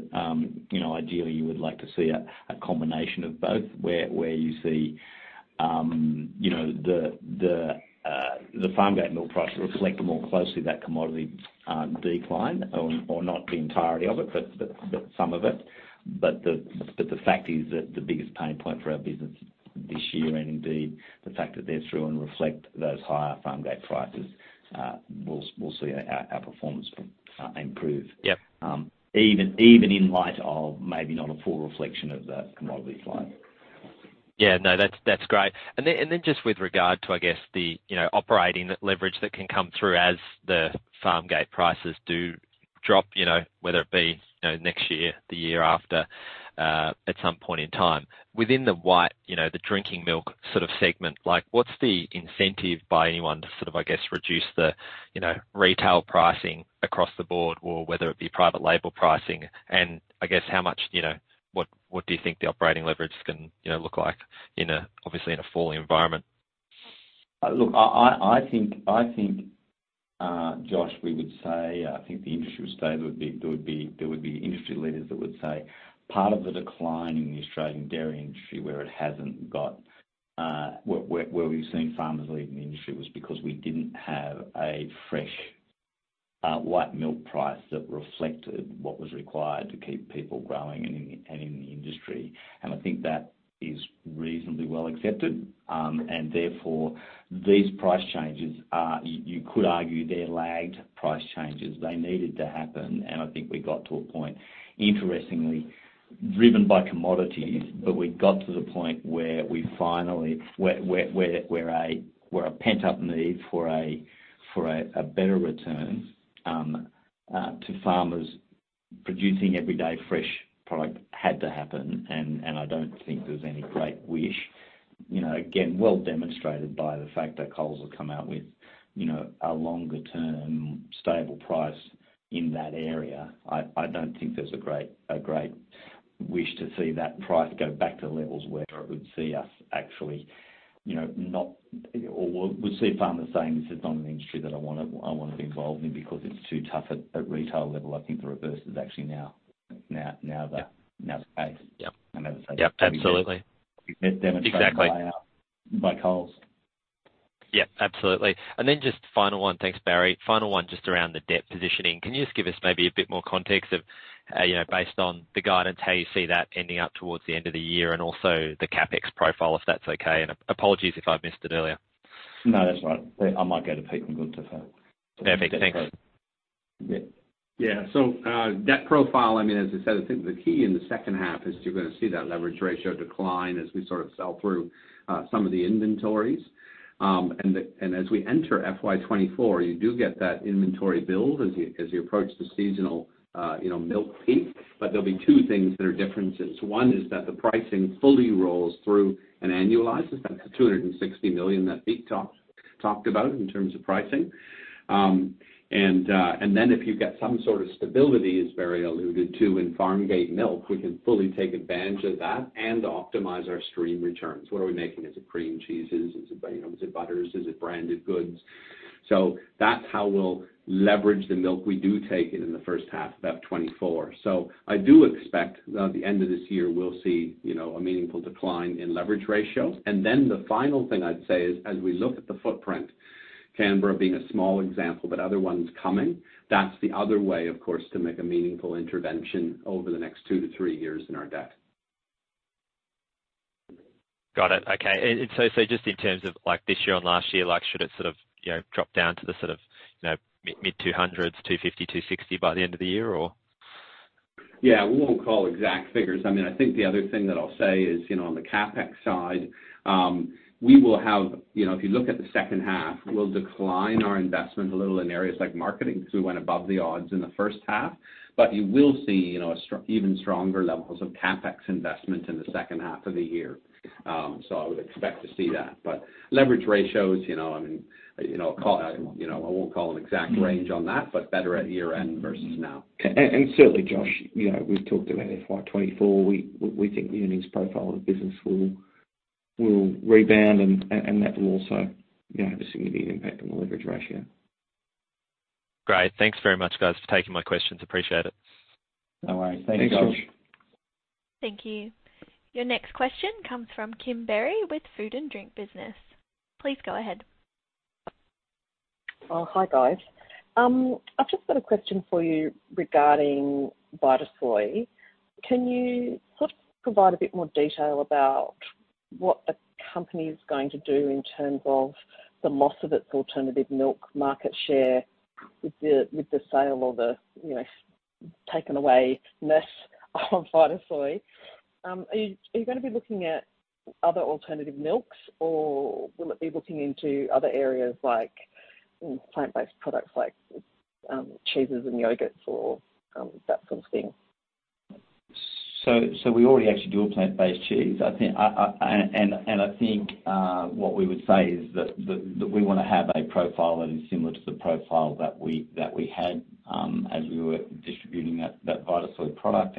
you know, ideally you would like to see a combination of both, where you see, you know, the farm gate milk price reflect more closely that commodity decline or not the entirety of it, but some of it. The fact is that the biggest pain point for our business this year and indeed the fact that they're through and reflect those higher farm gate prices, we'll see our performance improve. Yep. Even, even in light of maybe not a full reflection of the commodity decline. Yeah. No. That's, that's great. Then, and then just with regard to, I guess, the, you know, operating leverage that can come through as the farm gate prices do drop, you know, whether it be, you know, next year, the year after, at some point in time. Within the white, you know, the drinking milk sort of segment, like, what's the incentive by anyone to sort of, I guess, reduce the, you know, retail pricing across the board or whether it be private label pricing? I guess how much, you know, what do you think the operating leverage can, you know, look like in a, obviously in a falling environment? Look, I think Josh, we would say, I think the industry would say there would be industry leaders that would say part of the decline in the Australian dairy industry where it hasn't got, where we've seen farmers leaving the industry was because we didn't have a fresh, white milk price that reflected what was required to keep people growing and in the industry. I think that is reasonably well accepted. Therefore, these price changes are, you could argue they're lagged price changes. They needed to happen, and I think we got to a point, interestingly, driven by commodities, but we got to the point where we finally where a pent-up need for a, for a better return to farmers producing everyday fresh product had to happen. I don't think there's any great wish. You know, again, well demonstrated by the fact that Coles will come out with, you know, a longer term stable price in that area. I don't think there's a great wish to see that price go back to levels where it would see us actually, you know, not or would see farmers saying, "This is not an industry that I wanna be involved in because it's too tough at retail level." I think the reverse is actually now the. Yeah. Now the case. Yeah. as I say- Yeah, absolutely. It's been demonstrated... Exactly. by Coles. Yeah, absolutely. Then just final one. Thanks, Barry. Final one just around the debt positioning. Can you just give us maybe a bit more context of, you know, based on the guidance, how you see that ending up towards the end of the year, and also the CapEx profile, if that's okay? Apologies if I missed it earlier. No, that's all right. I might go to Pete Findlay to. Perfect. Thanks. Yeah. Debt profile, I mean, as I said, I think the key in the second half is you're gonna see that leverage ratio decline as we sort of sell through some of the inventories. As we enter FY 2024, you do get that inventory build as you approach the seasonal, you know, milk peak. There'll be two things that are different. One is that the pricing fully rolls through and annualizes. That's the 260 million that Pete talked about in terms of pricing. Then if you get some sort of stability, as Barry alluded to, in farmgate milk, we can fully take advantage of that and optimize our stream returns. What are we making? Is it cream cheeses? Is it, you know, butters? Is it branded goods? That's how we'll leverage the milk we do take in in the first half of FY 2024. I do expect, at the end of this year, we'll see, you know, a meaningful decline in leverage ratio. The final thing I'd say is, as we look at the footprint, Canberra being a small example, but other ones coming, that's the other way, of course, to make a meaningful intervention over the next two-three years in our debt. Got it. Okay. Just in terms of like this year and last year, like should it sort of, you know, drop down to the sort of, you know, mid 200 million, 250 million, 260 million by the end of the year or? Yeah. We won't call exact figures. I mean, I think the other thing that I'll say is, you know, on the CapEx side. You know, if you look at the second half, we'll decline our investment a little in areas like marketing, because we went above the odds in the first half. You will see, you know, even stronger levels of CapEx investment in the second half of the year. I would expect to see that. Leverage ratios, you know, I mean, I won't call an exact range on that, but better at year-end versus now. Certainly, Josh, you know, we've talked about FY 2024. We think the earnings profile of the business will rebound and that will also, you know, have a significant impact on the leverage ratio. Great. Thanks very much, guys, for taking my questions. Appreciate it. No worries. Thank you, Josh. Thanks, Josh. Thank you. Your next question comes from Kim Berry with Food & Drink Business. Please go ahead. Hi, guys. I've just got a question for you regarding Vitasoy. Can you sort of provide a bit more detail about what the company is going to do in terms of the loss of its alternative milk market share with the sale or the, you know, taken away-ness of Vitasoy? Are you gonna be looking at other alternative milks, or will it be looking into other areas like, plant-based products like, cheeses and yogurts or that sort of thing? We already actually do a plant-based cheese. I think. I think what we would say is that we wanna have a profile that is similar to the profile that we had as we were distributing that Vitasoy product.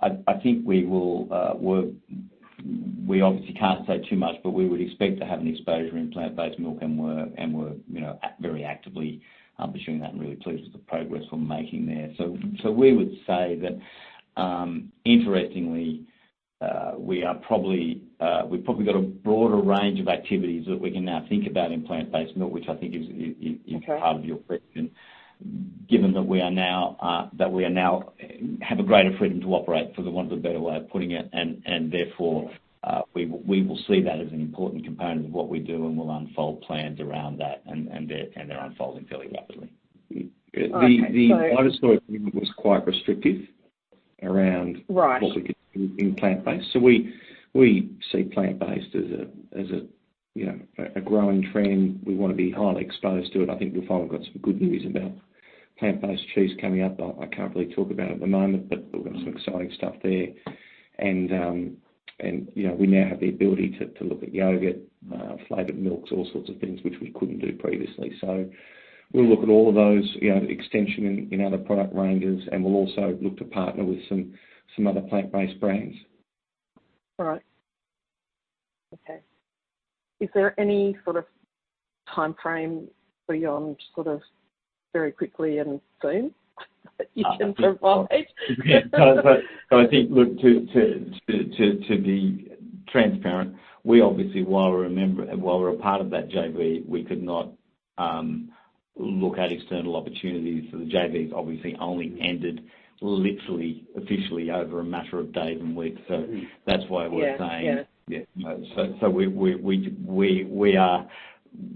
I think we will work. We obviously can't say too much, but we would expect to have an exposure in plant-based milk, and we're, you know, very actively pursuing that and really pleased with the progress we're making there. We would say that interestingly, we are probably, we've probably got a broader range of activities that we can now think about in plant-based milk, which I think is. Okay. Part of your question. Given that we are now have a greater freedom to operate, for the want of a better way of putting it. Therefore, we will see that as an important component of what we do, and we'll unfold plans around that. They're unfolding fairly rapidly. Okay. The Vitasoy agreement was quite restrictive. Right. What we could do in plant-based. We see plant-based as a, you know, a growing trend. We wanna be highly exposed to it. I think you'll find we've got some good news about plant-based cheese coming up. I can't really talk about it at the moment. We've got some exciting stuff there. You know, we now have the ability to look at yogurt, flavored milks, all sorts of things which we couldn't do previously. We'll look at all of those, you know, extension in other product ranges. We'll also look to partner with some other plant-based brands. All right. Okay. Is there any sort of timeframe for you on sort of very quickly and soon that you can provide? Yeah. I think, look, to be transparent, we obviously, while we're a part of that JV, we could not look at external opportunities. The JV's obviously only ended literally officially over a matter of days and weeks. That's why we're saying. Yeah. Yeah. Yeah.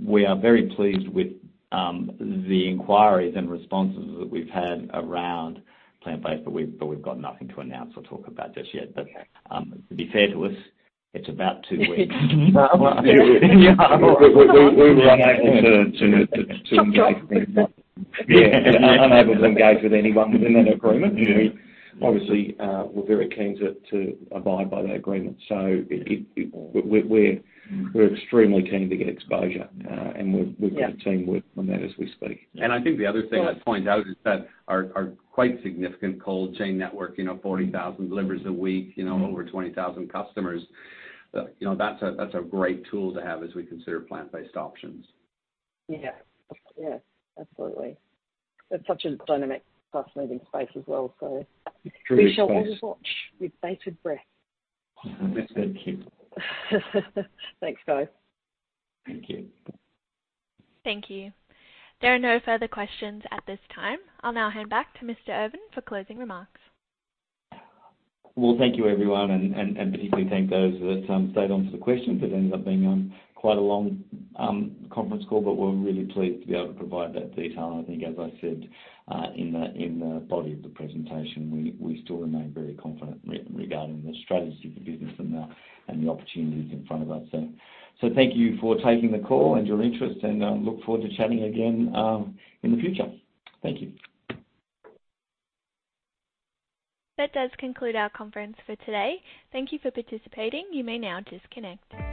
We are very pleased with the inquiries and responses that we've had around plant-based, but we've got nothing to announce or talk about just yet. Okay. To be fair to us, it's about two weeks. Yeah. We were unable to engage with- Chop, chop. Yeah. Unable to engage with anyone within that agreement. Yeah. We obviously, we're very keen to abide by that agreement. It, we're extremely keen to get exposure, and we've got a team working on that as we speak. I think the other thing I'd point out is that our quite significant cold chain network, you know, 40,000 deliveries a week, you know, over 20,000 customers, you know, that's a, that's a great tool to have as we consider plant-based options. Yeah. Yes, absolutely. It's such a dynamic, fast-moving space as well, so. True. We shall all watch with bated breath. Thank you. Thanks, guys. Thank you. Thank you. There are no further questions at this time. I'll now hand back to Mr. Irvin for closing remarks. Thank you, everyone, and particularly thank those that stayed on for the questions. It ended up being quite a long conference call, we're really pleased to be able to provide that detail. I think as I said, in the body of the presentation, we still remain very confident regarding the strategy of the business and the opportunities in front of us. Thank you for taking the call and your interest, and I look forward to chatting again in the future. Thank you. That does conclude our conference for today. Thank you for participating. You may now disconnect.